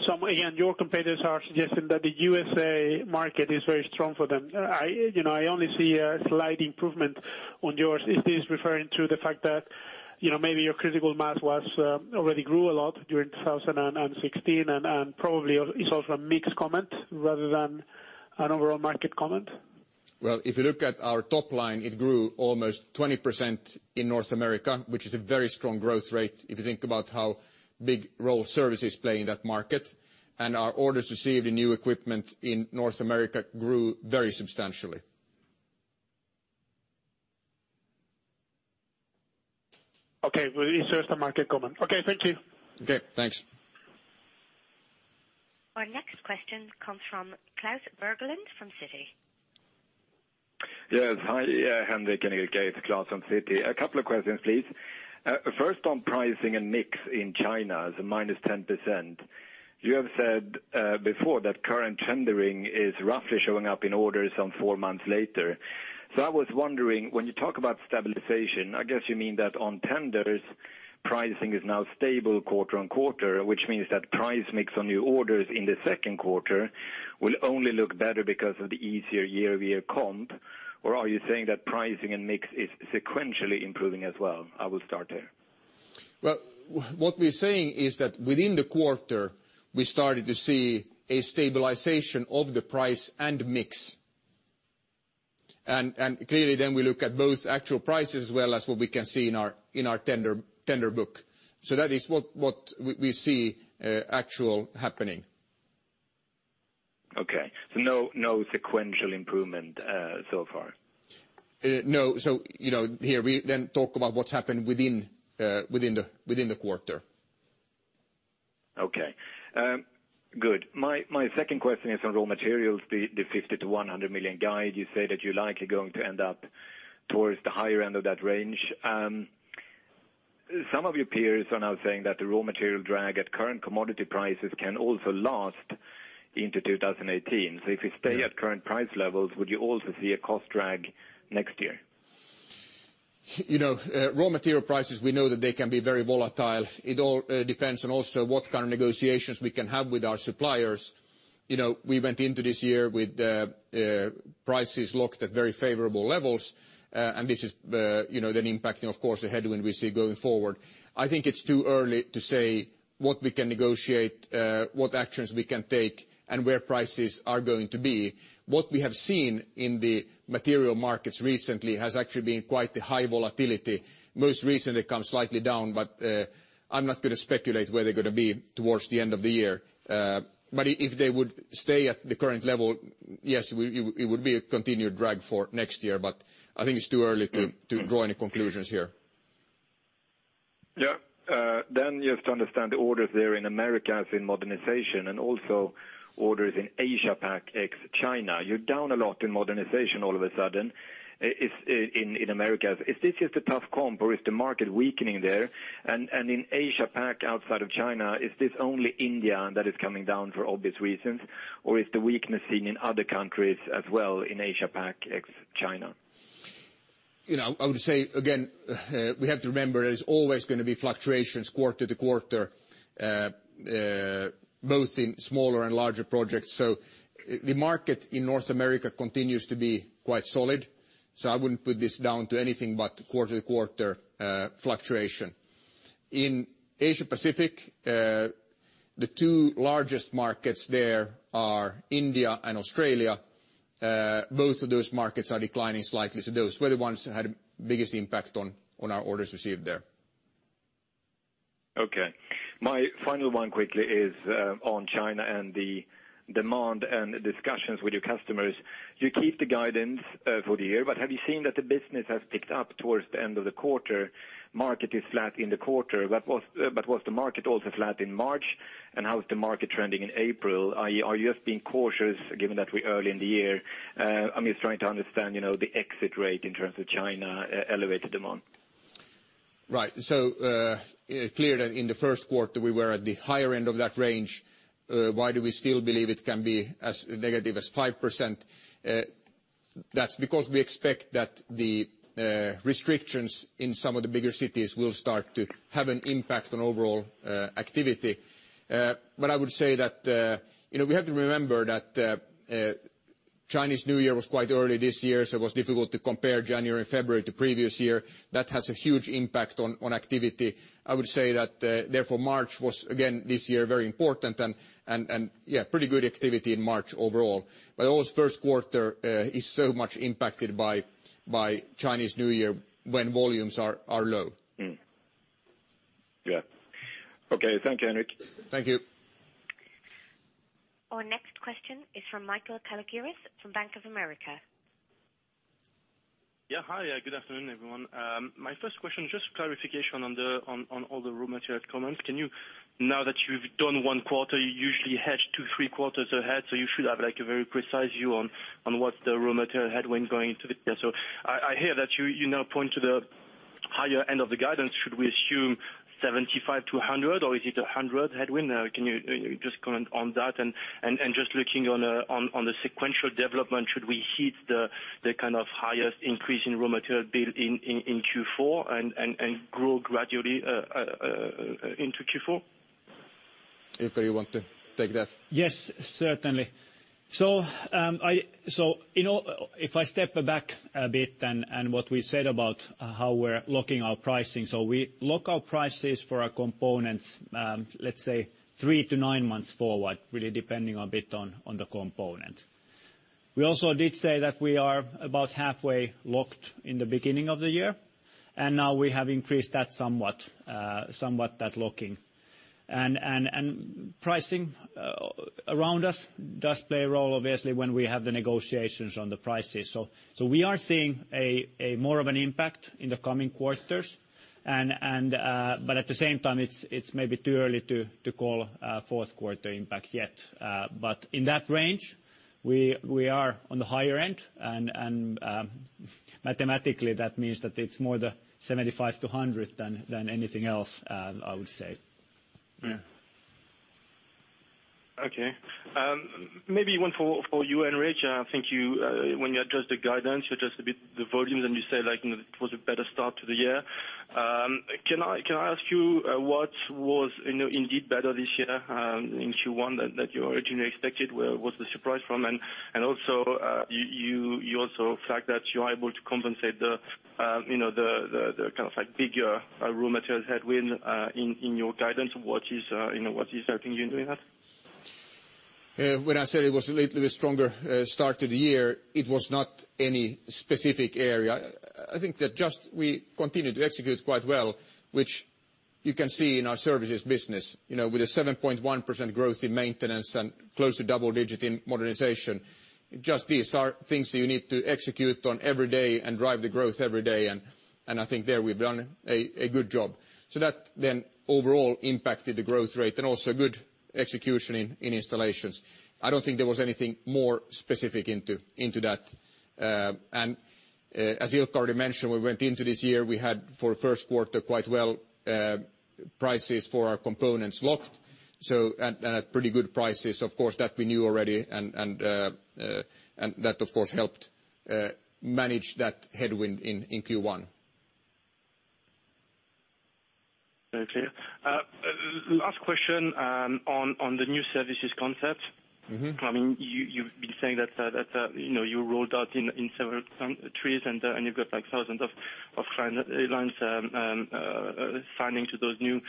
some, again, your competitors are suggesting that the USA market is very strong for them. I only see a slight improvement on yours. Is this referring to the fact that maybe your critical mass already grew a lot during 2016 and probably is also a mixed comment rather than an overall market comment? Well, if you look at our top line, it grew almost 20% in North America, which is a very strong growth rate if you think about how big role services play in that market. Our orders received in new equipment in North America grew very substantially. Okay. Well, it serves the market comment. Okay. Thank you. Okay, thanks. Our next question comes from Klas Bergelind from Citi. Yes. Hi, Henrik and Ilkka. It's Klas from Citi. A couple of questions, please. First on pricing and mix in China is minus 10%. You have said before that current tendering is roughly showing up in orders some 4 months later. I was wondering, when you talk about stabilization, I guess you mean that on tenders, pricing is now stable quarter-on-quarter, which means that price mix on new orders in the second quarter will only look better because of the easier year comp. Are you saying that pricing and mix is sequentially improving as well? I will start there. Well, what we're saying is that within the quarter, we started to see a stabilization of the price and mix. Clearly then we look at both actual prices as well as what we can see in our tender book. That is what we see actual happening. Okay. No sequential improvement so far? No. Here we then talk about what's happened within the quarter. My second question is on raw materials, the 50 million-100 million guide, you say that you likely going to end up towards the higher end of that range. Some of your peers are now saying that the raw material drag at current commodity prices can also last into 2018. If we stay at current price levels, would you also see a cost drag next year? Raw material prices, we know that they can be very volatile. It all depends on also what kind of negotiations we can have with our suppliers. We went into this year with prices locked at very favorable levels, and this is then impacting, of course, the headwind we see going forward. I think it's too early to say what we can negotiate, what actions we can take, and where prices are going to be. What we have seen in the material markets recently has actually been quite a high volatility. Most recently come slightly down, I'm not going to speculate where they're going to be towards the end of the year. If they would stay at the current level, yes, it would be a continued drag for next year, I think it's too early to draw any conclusions here. Just to understand the orders there in Americas in modernization and also orders in Asia Pac ex-China. You're down a lot in modernization all of a sudden in Americas. Is this just a tough comp or is the market weakening there? In Asia Pac outside of China, is this only India that is coming down for obvious reasons, or is the weakness in other countries as well in Asia Pac ex-China? I would say, again, we have to remember there's always going to be fluctuations quarter to quarter, both in smaller and larger projects. The market in North America continues to be quite solid. I wouldn't put this down to anything but quarter to quarter fluctuation. In Asia Pacific, the two largest markets there are India and Australia. Both of those markets are declining slightly, so those were the ones that had the biggest impact on our orders received there. Okay. My final one quickly is on China and the demand and discussions with your customers. You keep the guidance for the year. Have you seen that the business has picked up towards the end of the quarter? Market is flat in the quarter. Was the market also flat in March? How is the market trending in April? Are you just being cautious given that we're early in the year? I'm just trying to understand the exit rate in terms of China elevated demand. Right. Clear that in the first quarter, we were at the higher end of that range. Why do we still believe it can be as negative as 5%? That's because we expect that the restrictions in some of the bigger cities will start to have an impact on overall activity. I would say that we have to remember that Chinese New Year was quite early this year, so it was difficult to compare January and February to previous year. That has a huge impact on activity. I would say that therefore March was again, this year, very important and pretty good activity in March overall. Always first quarter is so much impacted by Chinese New Year when volumes are low. Yeah. Okay. Thank you, Henrik. Thank you. Our next question is from Michael Kalikias from Bank of America. Yeah. Hi, good afternoon, everyone. My first question, just clarification on all the raw material comments. Can you, now that you've done one quarter, you usually hedge two, three quarters ahead, so you should have a very precise view on what the raw material headwind going into it. I hear that you now point to the higher end of the guidance. Should we assume 75 million-100 million, or is it 100 million headwind? Can you just comment on that? Just looking on the sequential development, should we hit the highest increase in raw material build in Q4 and grow gradually into Q4? Ilkka, you want to take that? Yes, certainly. If I step back a bit and what we said about how we're locking our pricing. We lock our prices for our components, let's say, three to nine months forward, really depending a bit on the component. We also did say that we are about halfway locked in the beginning of the year, and now we have increased that somewhat, that locking. Pricing around us does play a role, obviously, when we have the negotiations on the prices. We are seeing more of an impact in the coming quarters. At the same time, it's maybe too early to call a fourth quarter impact yet. In that range, we are on the higher end, and mathematically, that means that it's more the 75 million-100 million than anything else, I would say. Okay. Maybe one for you, Henrik. When you adjust the guidance, you adjust a bit the volumes and you say it was a better start to the year. Can I ask you what was indeed better this year in Q1 that you originally expected? Where was the surprise from? The fact that you're able to compensate the bigger raw materials headwind in your guidance, what is helping you in doing that? When I said it was a little bit stronger start to the year, it was not any specific area. We continued to execute quite well, which you can see in our services business. With a 7.1% growth in maintenance and close to double digit in modernization. These are things that you need to execute on every day and drive the growth every day. There we've done a good job. Overall impacted the growth rate and also good execution in installations. There was anything more specific into that. As Ilkka already mentioned, we went into this year, we had for first quarter quite well prices for our components locked, and at pretty good prices. That we knew already, and that of course helped manage that headwind in Q1. Very clear. Last question on the new services concept. You've been saying that you rolled out in several countries, and you've got thousands of clients signing to those new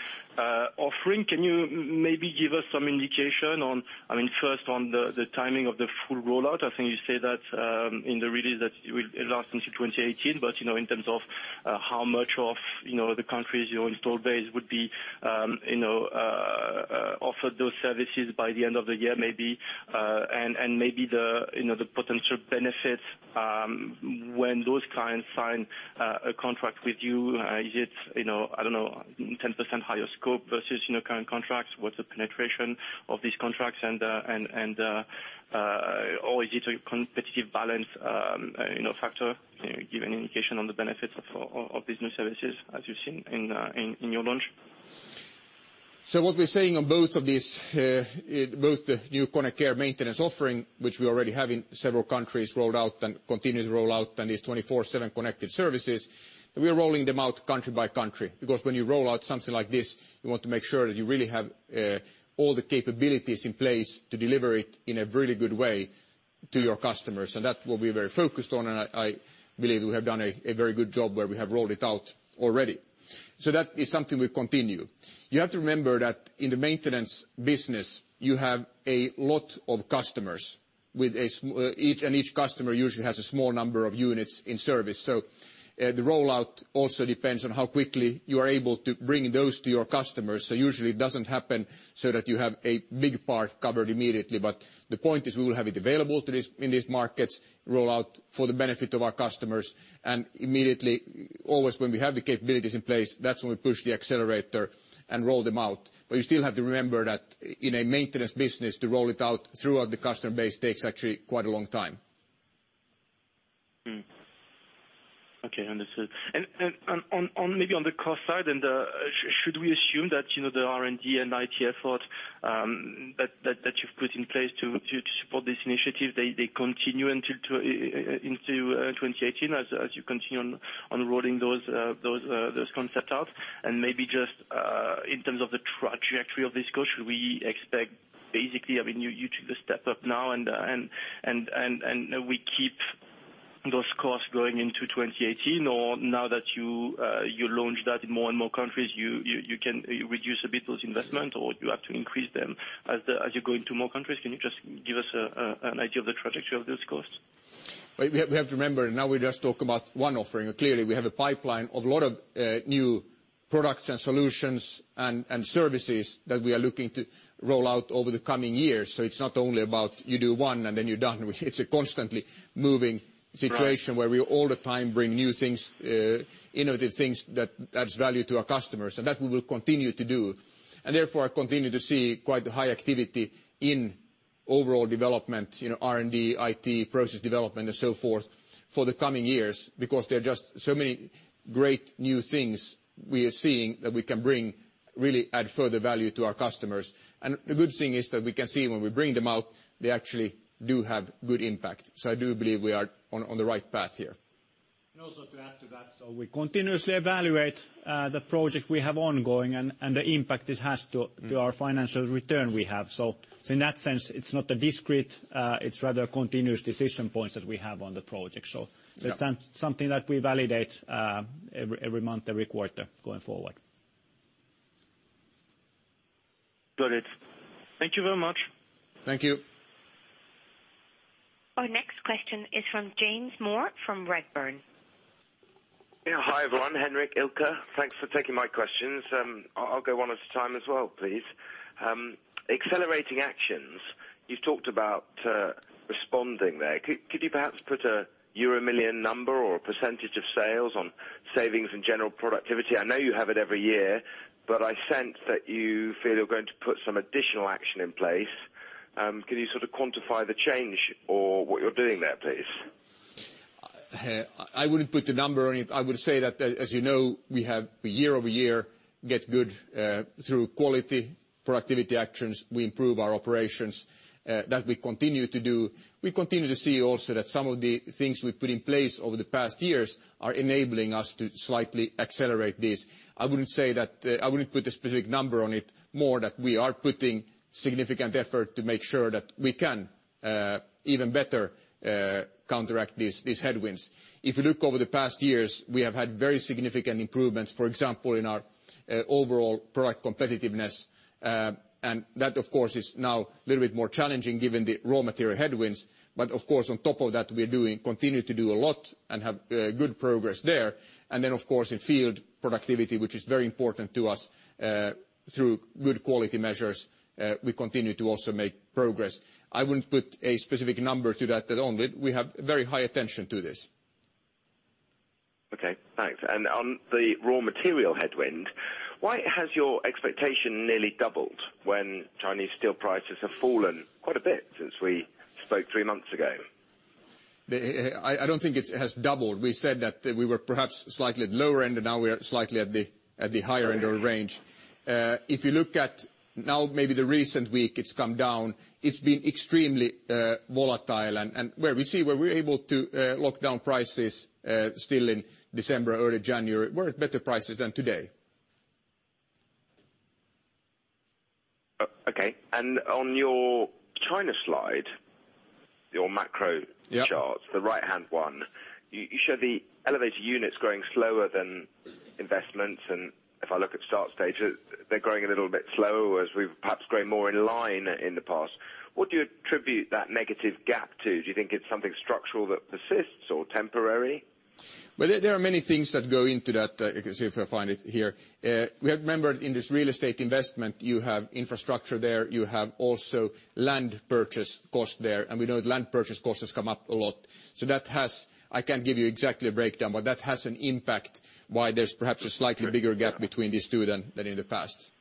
offering. Can you maybe give us some indication on, first, on the timing of the full rollout? You say that in the release that it will last into 2018, but in terms of how much of the countries your installed base would be offered those services by the end of the year, maybe. Maybe the potential benefits when those clients sign a contract with you. Is it, I don't know, 10% higher scope versus current contracts? What's the penetration of these contracts? Or is it a competitive balance factor? Give an indication on the benefits of these new services as you've seen in your launch. What we're saying on both of these, both the new KONE Care maintenance offering, which we already have in several countries rolled out and continue to roll out, and these KONE 24/7 Connected Services, we are rolling them out country by country. Because when you roll out something like this, you want to make sure that you really have all the capabilities in place to deliver it in a really good way to your customers. That we'll be very focused on, and I believe we have done a very good job where we have rolled it out already. That is something we continue. You have to remember that in the maintenance business, you have a lot of customers, and each customer usually has a small number of units in service. The rollout also depends on how quickly you are able to bring those to your customers. Usually it doesn't happen so that you have a big part covered immediately. The point is we will have it available in these markets, roll out for the benefit of our customers, and immediately, always when we have the capabilities in place, that's when we push the accelerator and roll them out. You still have to remember that in a maintenance business, to roll it out throughout the customer base takes actually quite a long time. Okay, understood. Maybe on the cost side then, should we assume that the R&D and IT effort that you've put in place to support this initiative, they continue into 2018 as you continue on rolling those concept out? Maybe just in terms of the trajectory of this go, should we expect basically you to step up now and we keep those costs going into 2018, or now that you launched that in more and more countries, you can reduce a bit those investment, or you have to increase them as you go into more countries? Can you just give us an idea of the trajectory of those costs? Well, we have to remember, now we just talk about one offering. Clearly, we have a pipeline of a lot of new products, solutions, and services that we are looking to roll out over the coming years. It's not only about you do one and then you're done. It's a constantly moving situation. Right where we all the time bring new things, innovative things that adds value to our customers, and that we will continue to do. Therefore, I continue to see quite high activity in overall development, R&D, IT, process development, and so forth, for the coming years. Because there are just so many great new things we are seeing that we can bring, really add further value to our customers. The good thing is that we can see when we bring them out, they actually do have good impact. I do believe we are on the right path here. Also to add to that, we continuously evaluate the project we have ongoing and the impact it has to our financial return we have. In that sense, it's not a discrete, it's rather a continuous decision point that we have on the project. It's something that we validate every month, every quarter going forward. Got it. Thank you very much. Thank you. Our next question is from James Moore at Redburn. Yeah. Hi, everyone. Henrik, Ilkka, thanks for taking my questions. I'll go one at a time as well, please. Accelerating actions, you've talked about responding there. Could you perhaps put a euro million number or a percentage of sales on savings and general productivity? I know you have it every year, but I sense that you feel you're going to put some additional action in place. Can you sort of quantify the change or what you're doing there, please? I wouldn't put the number on it. I would say that, as you know, we have year-over-year get good through quality productivity actions. We improve our operations. That we continue to do. We continue to see also that some of the things we put in place over the past years are enabling us to slightly accelerate this. I wouldn't put a specific number on it, more that we are putting significant effort to make sure that we can even better counteract these headwinds. If you look over the past years, we have had very significant improvements, for example, in our overall product competitiveness. That, of course, is now a little bit more challenging given the raw material headwinds. Of course, on top of that, we continue to do a lot and have good progress there. Then, of course, in field productivity, which is very important to us, through good quality measures, we continue to also make progress. I wouldn't put a specific number to that at all. We have very high attention to this. Okay, thanks. On the raw material headwind, why has your expectation nearly doubled when Chinese steel prices have fallen quite a bit since we spoke three months ago? I don't think it has doubled. We said that we were perhaps slightly at lower end, and now we're slightly at the higher end of range. If you look at now, maybe the recent week, it's come down. It's been extremely volatile. Where we see where we're able to lock down prices still in December, early January, were at better prices than today. Okay. On your China slide, your macro charts- Yeah The right-hand one, you show the elevator units growing slower than investment. If I look at start stages, they're growing a little bit slower as we've perhaps grown more in line in the past. What do you attribute that negative gap to? Do you think it's something structural that persists or temporary? Well, there are many things that go into that. Let me see if I find it here. Remember, in this real estate investment, you have infrastructure there, you have also land purchase cost there, and we know land purchase cost has come up a lot. I can't give you exactly a breakdown, but that has an impact why there's perhaps a slightly bigger gap between these two than in the past.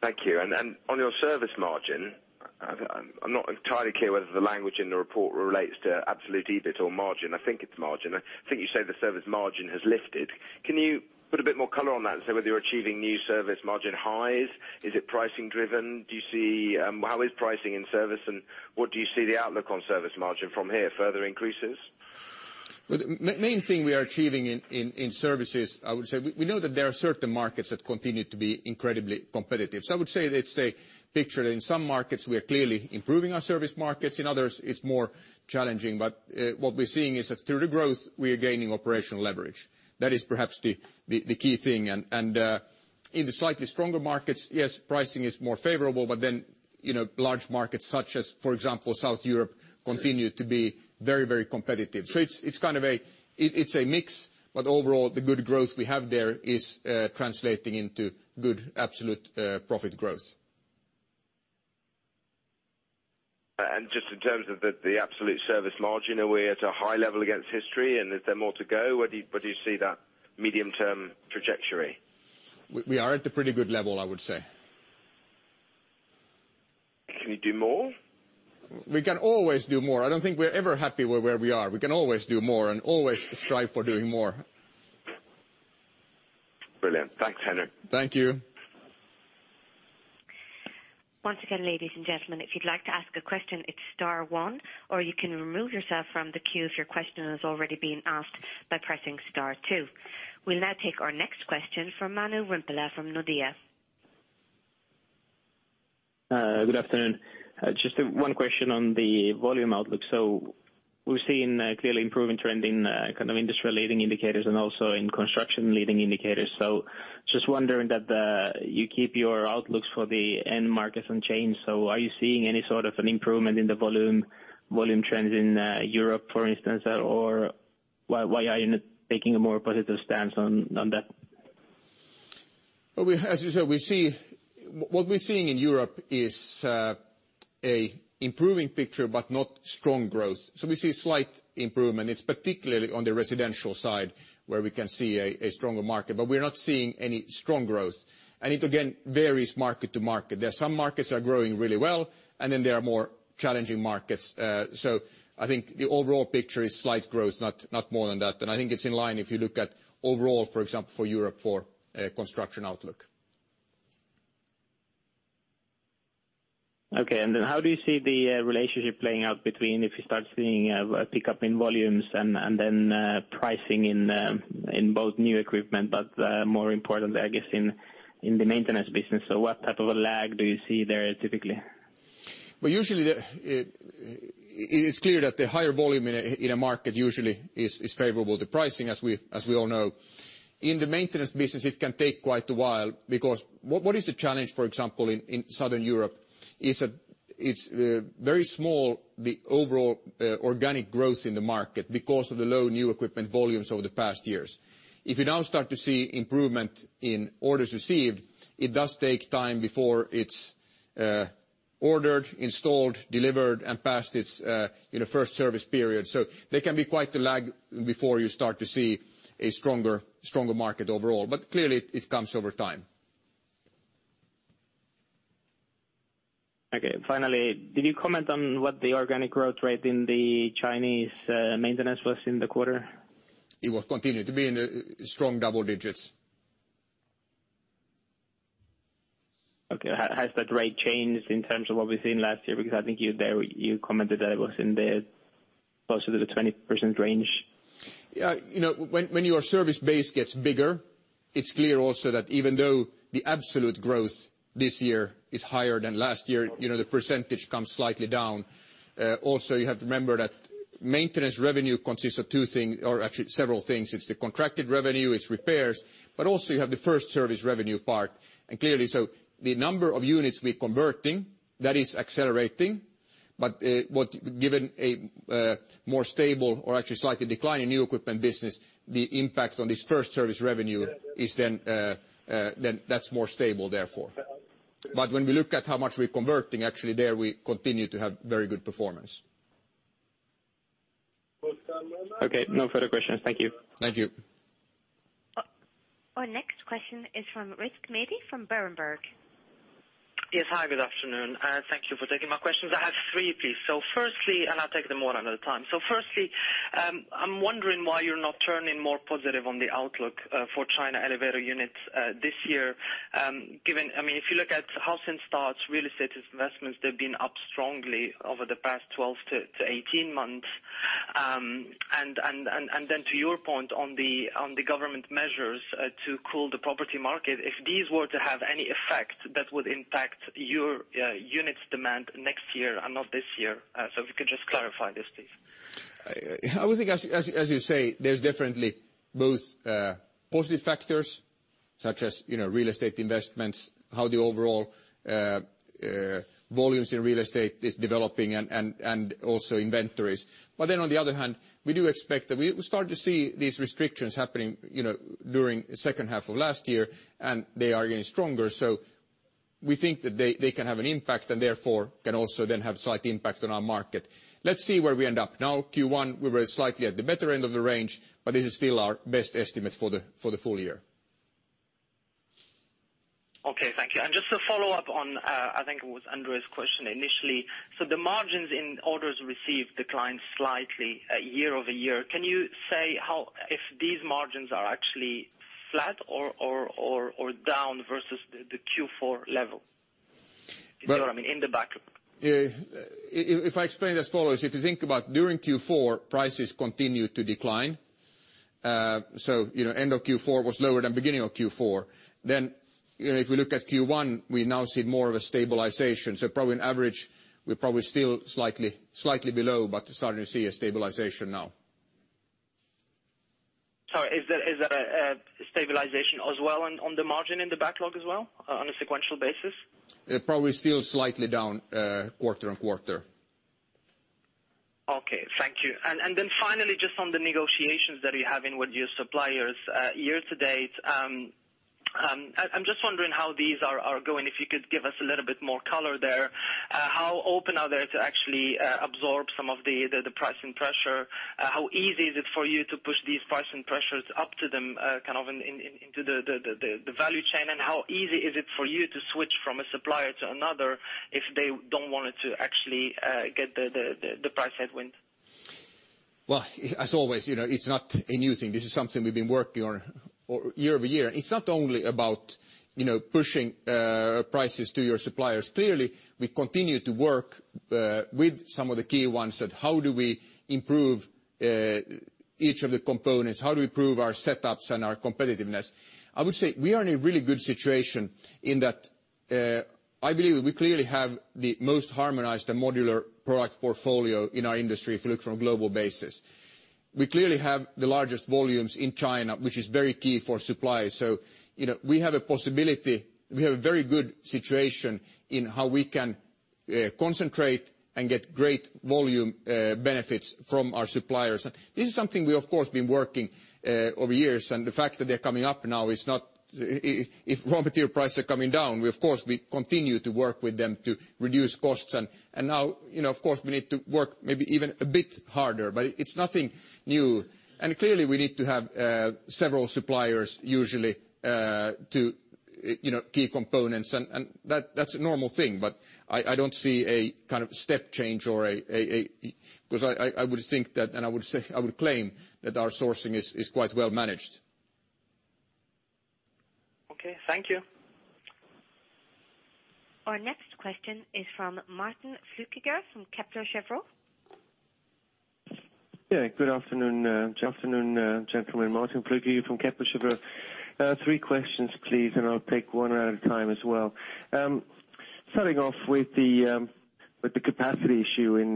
Thank you. On your service margin, I'm not entirely clear whether the language in the report relates to absolute EBIT or margin. I think it's margin. I think you say the service margin has lifted. Can you put a bit more color on that and say whether you're achieving new service margin highs? Is it pricing driven? How is pricing in service, and what do you see the outlook on service margin from here, further increases? Main thing we are achieving in services, I would say, we know that there are certain markets that continue to be incredibly competitive. I would say that it's a picture that in some markets we are clearly improving our service markets. In others, it's more challenging. What we're seeing is that through the growth, we are gaining operational leverage. That is perhaps the key thing. In the slightly stronger markets, yes, pricing is more favorable, large markets such as, for example, South Europe, continue to be very competitive. It's a mix, but overall, the good growth we have there is translating into good absolute profit growth. Just in terms of the absolute service margin, are we at a high level against history, and is there more to go? Where do you see that medium-term trajectory? We are at the pretty good level, I would say. Can you do more? We can always do more. I don't think we're ever happy with where we are. We can always do more and always strive for doing more. Brilliant. Thanks, Henrik. Thank you. Once again, ladies and gentlemen, if you'd like to ask a question, it's star one, or you can remove yourself from the queue if your question has already been asked by pressing star two. We'll now take our next question from Manu Rimpelä from Nordea. Good afternoon. Just one question on the volume outlook. We're seeing a clearly improving trend in kind of industry leading indicators and also in construction leading indicators. Just wondering that you keep your outlooks for the end markets unchanged, are you seeing any sort of an improvement in the volume trends in Europe, for instance? Why are you not taking a more positive stance on that? As you said, what we're seeing in Europe is an improving picture, but not strong growth. We see a slight improvement. It's particularly on the residential side where we can see a stronger market, but we're not seeing any strong growth. It, again, varies market to market. There are some markets that are growing really well, and then there are more challenging markets. I think the overall picture is slight growth, not more than that. I think it's in line if you look at overall, for example, for Europe, for construction outlook. Okay. How do you see the relationship playing out between if you start seeing a pickup in volumes and pricing in both new equipment, but more importantly, I guess in the maintenance business? What type of a lag do you see there typically? Well, usually it's clear that the higher volume in a market usually is favorable to pricing, as we all know. In the maintenance business, it can take quite a while because what is the challenge, for example, in Southern Europe? It's very small, the overall organic growth in the market, because of the low new equipment volumes over the past years. If you now start to see improvement in orders received, it does take time before it's ordered, installed, delivered, and past its first service period. There can be quite the lag before you start to see a stronger market overall. Clearly, it comes over time. Okay. Finally, did you comment on what the organic growth rate in the Chinese maintenance was in the quarter? It will continue to be in strong double digits. Okay. Has that rate changed in terms of what we've seen last year? Because I think you commented that it was closer to the 20% range. When your service base gets bigger, it's clear also that even though the absolute growth this year is higher than last year, the percentage comes slightly down. Also, you have to remember that maintenance revenue consists of two things, or actually several things. It's the contracted revenue, it's repairs, but also you have the first service revenue part. Clearly, the number of units we're converting, that is accelerating. Given a more stable or actually slightly decline in new equipment business, the impact on this first service revenue is that's more stable, therefore. When we look at how much we're converting, actually there we continue to have very good performance. Okay. No further questions. Thank you. Thank you. Our next question is from Rizwan Qureshi from Berenberg. Yes. Hi, good afternoon. Thank you for taking my questions. I have three, please, and I will take them one at a time. Firstly, I am wondering why you are not turning more positive on the outlook for China elevator units this year. If you look at house installs, real estate investments, they have been up strongly over the past 12-18 months. To your point on the government measures to cool the property market, if these were to have any effect, that would impact your units demand next year and not this year. If you could just clarify this, please. I would think, as you say, there is definitely both positive factors such as real estate investments, how the overall volumes in real estate is developing and also inventories. On the other hand, we started to see these restrictions happening during second half of last year, and they are getting stronger. We think that they can have an impact and therefore can also then have slight impact on our market. Let us see where we end up. Now Q1, we were slightly at the better end of the range, but this is still our best estimate for the full year. Okay, thank you. Just to follow up on, I think it was Andre's question initially. The margins in orders received declined slightly year-over-year. Can you say if these margins are actually flat or down versus the Q4 level? Do you see what I mean, in the backlog? If I explain it as follows, if you think about during Q4, prices continued to decline. End of Q4 was lower than beginning of Q4. If we look at Q1, we now see more of a stabilization. Probably on average, we're probably still slightly below, but starting to see a stabilization now. Sorry, is that a stabilization as well on the margin in the backlog as well on a sequential basis? Probably still slightly down quarter-on-quarter. Okay. Thank you. Finally, just on the negotiations that you're having with your suppliers year-to-date, I'm just wondering how these are going, if you could give us a little bit more color there. How open are they to actually absorb some of the pricing pressure? How easy is it for you to push these pricing pressures up to them, kind of into the value chain? How easy is it for you to switch from a supplier to another if they don't want to actually get the price headwind? Well, as always, it's not a new thing. This is something we've been working on year-over-year. It's not only about pushing prices to your suppliers. Clearly, we continue to work with some of the key ones at how do we improve each of the components, how do we improve our setups and our competitiveness? I would say we are in a really good situation in that I believe we clearly have the most harmonized and modular product portfolio in our industry if you look from a global basis. We clearly have the largest volumes in China, which is very key for suppliers. We have a possibility, we have a very good situation in how we can concentrate and get great volume benefits from our suppliers. This is something we, of course, have been working on over years, the fact that they're coming up now, if raw material prices are coming down, we continue to work with them to reduce costs. Now, of course, we need to work maybe even a bit harder, but it's nothing new. Clearly we need to have several suppliers usually to key components, and that's a normal thing, but I don't see a step change, because I would think that, and I would claim that our sourcing is quite well managed. Okay, thank you. Our next question is from Martin Flueckiger from Kepler Cheuvreux. Good afternoon, gentlemen. Martin Flueckiger from Kepler Cheuvreux. Three questions, please. I'll take one at a time as well. Starting off with the capacity issue in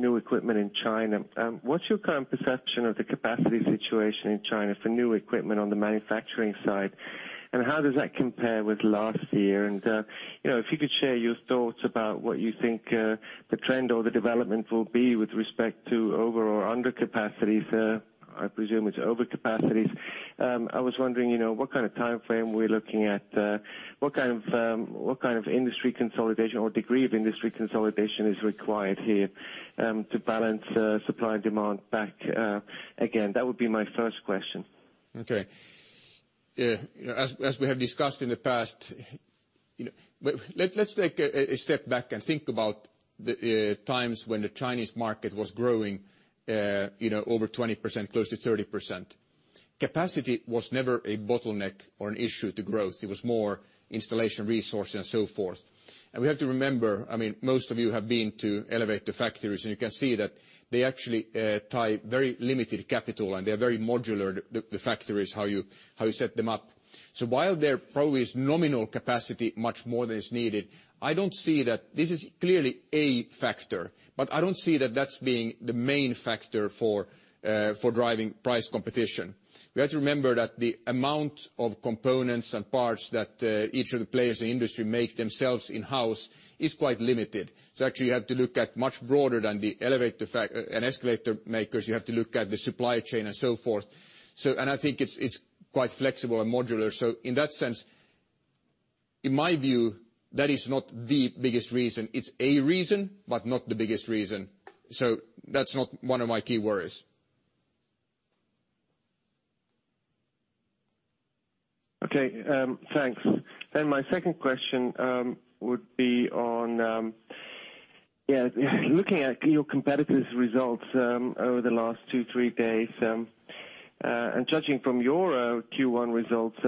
new equipment in China, what's your current perception of the capacity situation in China for new equipment on the manufacturing side, and how does that compare with last year? If you could share your thoughts about what you think the trend or the development will be with respect to over or under capacities. I presume it's over capacities. I was wondering what kind of timeframe we're looking at. What kind of industry consolidation or degree of industry consolidation is required here to balance supply and demand back again? That would be my first question. Okay. As we have discussed in the past, let's take a step back and think about the times when the Chinese market was growing over 20%, close to 30%. Capacity was never a bottleneck or an issue to growth. It was more installation resources and so forth. We have to remember, most of you have been to elevator factories, and you can see that they actually tie very limited capital, and they are very modular, the factories, how you set them up. While there probably is nominal capacity much more than is needed, this is clearly a factor, but I don't see that that's being the main factor for driving price competition. We have to remember that the amount of components and parts that each of the players in the industry make themselves in-house is quite limited. Actually, you have to look at much broader than the elevator and escalator makers. You have to look at the supply chain and so forth. I think it's quite flexible and modular. In that sense, in my view, that is not the biggest reason. It's a reason, but not the biggest reason. That's not one of my key worries. Okay, thanks. My second question would be on looking at your competitors' results over the last two, three days, and judging from your Q1 results,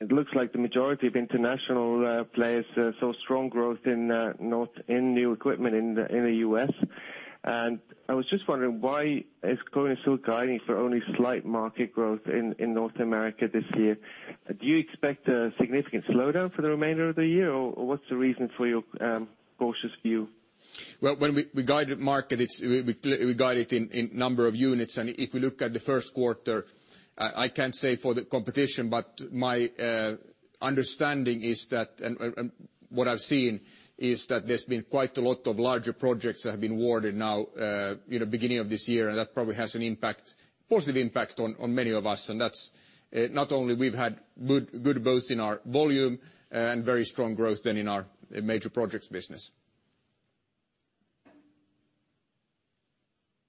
it looks like the majority of international players saw strong growth in new equipment in the U.S. I was just wondering why is KONE still guiding for only slight market growth in North America this year? Do you expect a significant slowdown for the remainder of the year, or what's the reason for your cautious view? Well, when we guide the market, we guide it in number of units. If we look at the first quarter, I can't say for the competition, but my understanding is that, and what I've seen is that there's been quite a lot of larger projects that have been awarded now in the beginning of this year, and that probably has a positive impact on many of us. Not only we've had good growth in our volume and very strong growth then in our major projects business.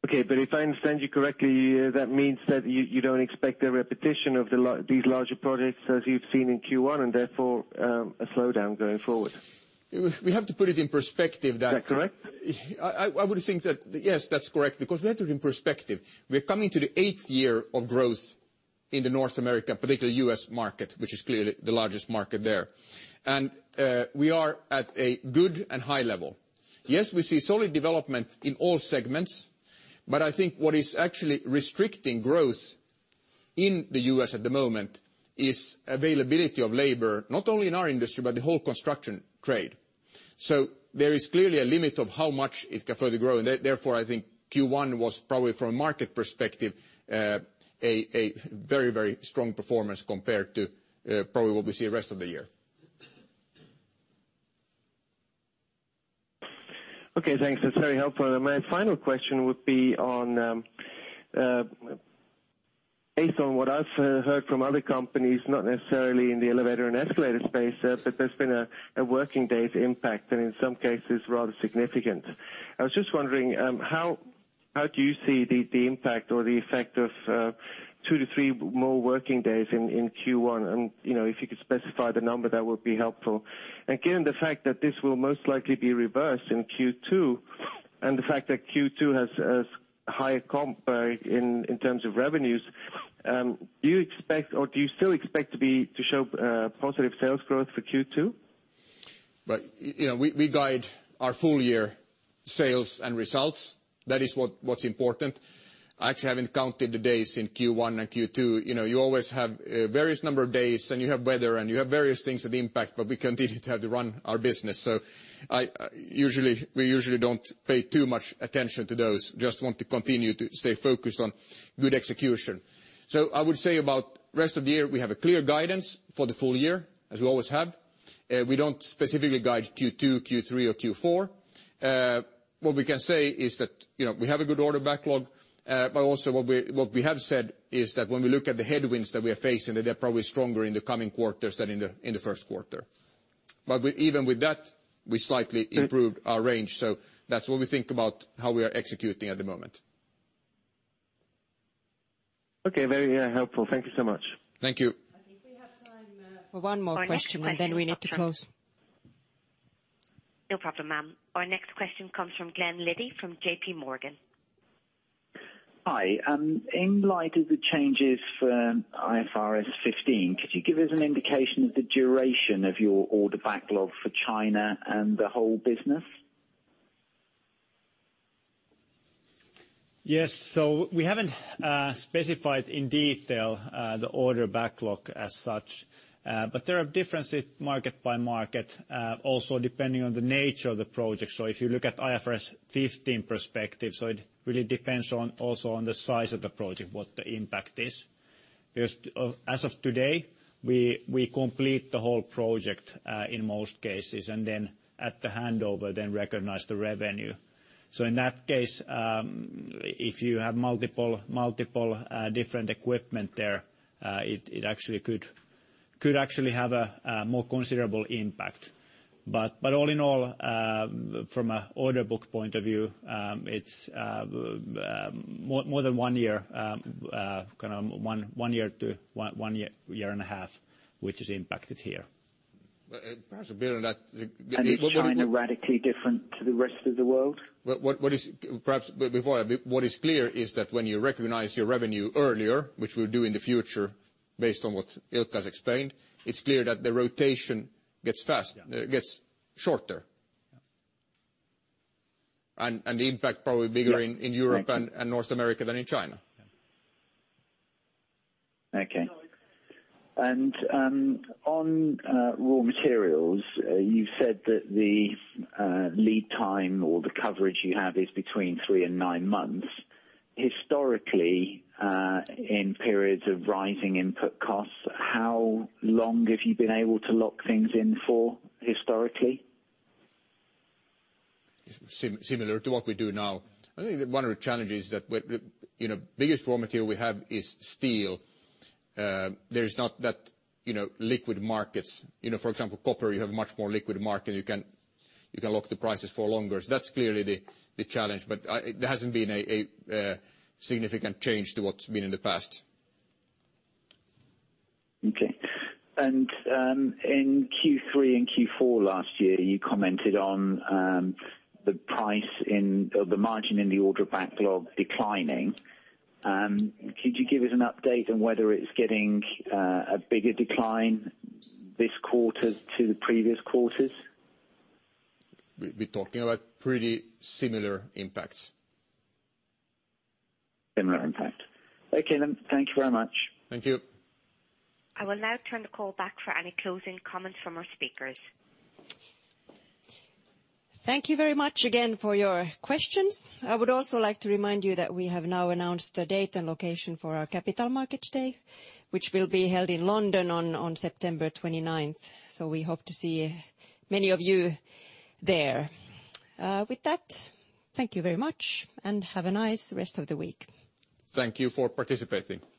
Okay, if I understand you correctly, that means that you don't expect a repetition of these larger projects as you've seen in Q1, and therefore, a slowdown going forward. We have to put it in perspective that Is that correct? I would think that, yes, that's correct, because we have to put it in perspective. We're coming to the eighth year of growth in the North America, particularly U.S. market, which is clearly the largest market there. We are at a good and high level. Yes, we see solid development in all segments, I think what is actually restricting growth in the U.S. at the moment is availability of labor, not only in our industry, but the whole construction trade. There is clearly a limit of how much it can further grow. Therefore, I think Q1 was probably, from a market perspective, a very strong performance compared to probably what we see the rest of the year. Okay, thanks. That's very helpful. My final question would be based on what I've heard from other companies, not necessarily in the elevator and escalator space, there's been a working days impact, and in some cases, rather significant. I was just wondering how do you see the impact or the effect of two to three more working days in Q1? If you could specify the number, that would be helpful. Given the fact that this will most likely be reversed in Q2, and the fact that Q2 has higher comp in terms of revenues, do you still expect to show positive sales growth for Q2? We guide our full year sales and results. That is what's important. I actually haven't counted the days in Q1 and Q2. You always have various number of days, you have weather, you have various things that impact, we continue to have to run our business. We usually don't pay too much attention to those, just want to continue to stay focused on good execution. I would say about rest of the year, we have a clear guidance for the full year, as we always have. We don't specifically guide Q2, Q3, or Q4. What we can say is that we have a good order backlog, also what we have said is that when we look at the headwinds that we are facing, that they're probably stronger in the coming quarters than in the first quarter. Even with that, we slightly improved our range. That's what we think about how we are executing at the moment. Okay, very helpful. Thank you so much. Thank you. I think we have time for one more question, and then we need to close. No problem, ma'am. Our next question comes from Glen Liddy from J.P. Morgan. Hi. In light of the changes for IFRS 15, could you give us an indication of the duration of your order backlog for China and the whole business? Yes. We haven't specified in detail the order backlog as such. There are differences market by market, also depending on the nature of the project. If you look at IFRS 15 perspective, so it really depends also on the size of the project, what the impact is. As of today, we complete the whole project, in most cases, and then at the handover then recognize the revenue. In that case, if you have multiple different equipment there, it could actually have a more considerable impact. All in all, from an order book point of view, it's more than one year to one year and a half, which is impacted here. Perhaps to build on that. Is China radically different to the rest of the world? Perhaps before, what is clear is that when you recognize your revenue earlier, which we'll do in the future based on what Ilkka has explained, it's clear that the rotation gets faster. Yeah. Gets shorter. Yeah. The impact probably bigger in Europe and North America than in China. Yeah. Okay. On raw materials, you said that the lead time or the coverage you have is between three and nine months. Historically, in periods of rising input costs, how long have you been able to lock things in for historically? Similar to what we do now. I think that one of the challenges, biggest raw material we have is steel. There are not that liquid markets. For example, copper, you have much more liquid market. You can lock the prices for longer. That's clearly the challenge, but there hasn't been a significant change to what's been in the past. Okay. In Q3 and Q4 last year, you commented on the margin in the order backlog declining. Could you give us an update on whether it's getting a bigger decline this quarter to the previous quarters? We're talking about pretty similar impacts. Similar impact. Okay. Thank you very much. Thank you. I will now turn the call back for any closing comments from our speakers. Thank you very much again for your questions. I would also like to remind you that we have now announced the date and location for our Capital Markets Day, which will be held in London on September 29th. We hope to see many of you there. With that, thank you very much, and have a nice rest of the week. Thank you for participating.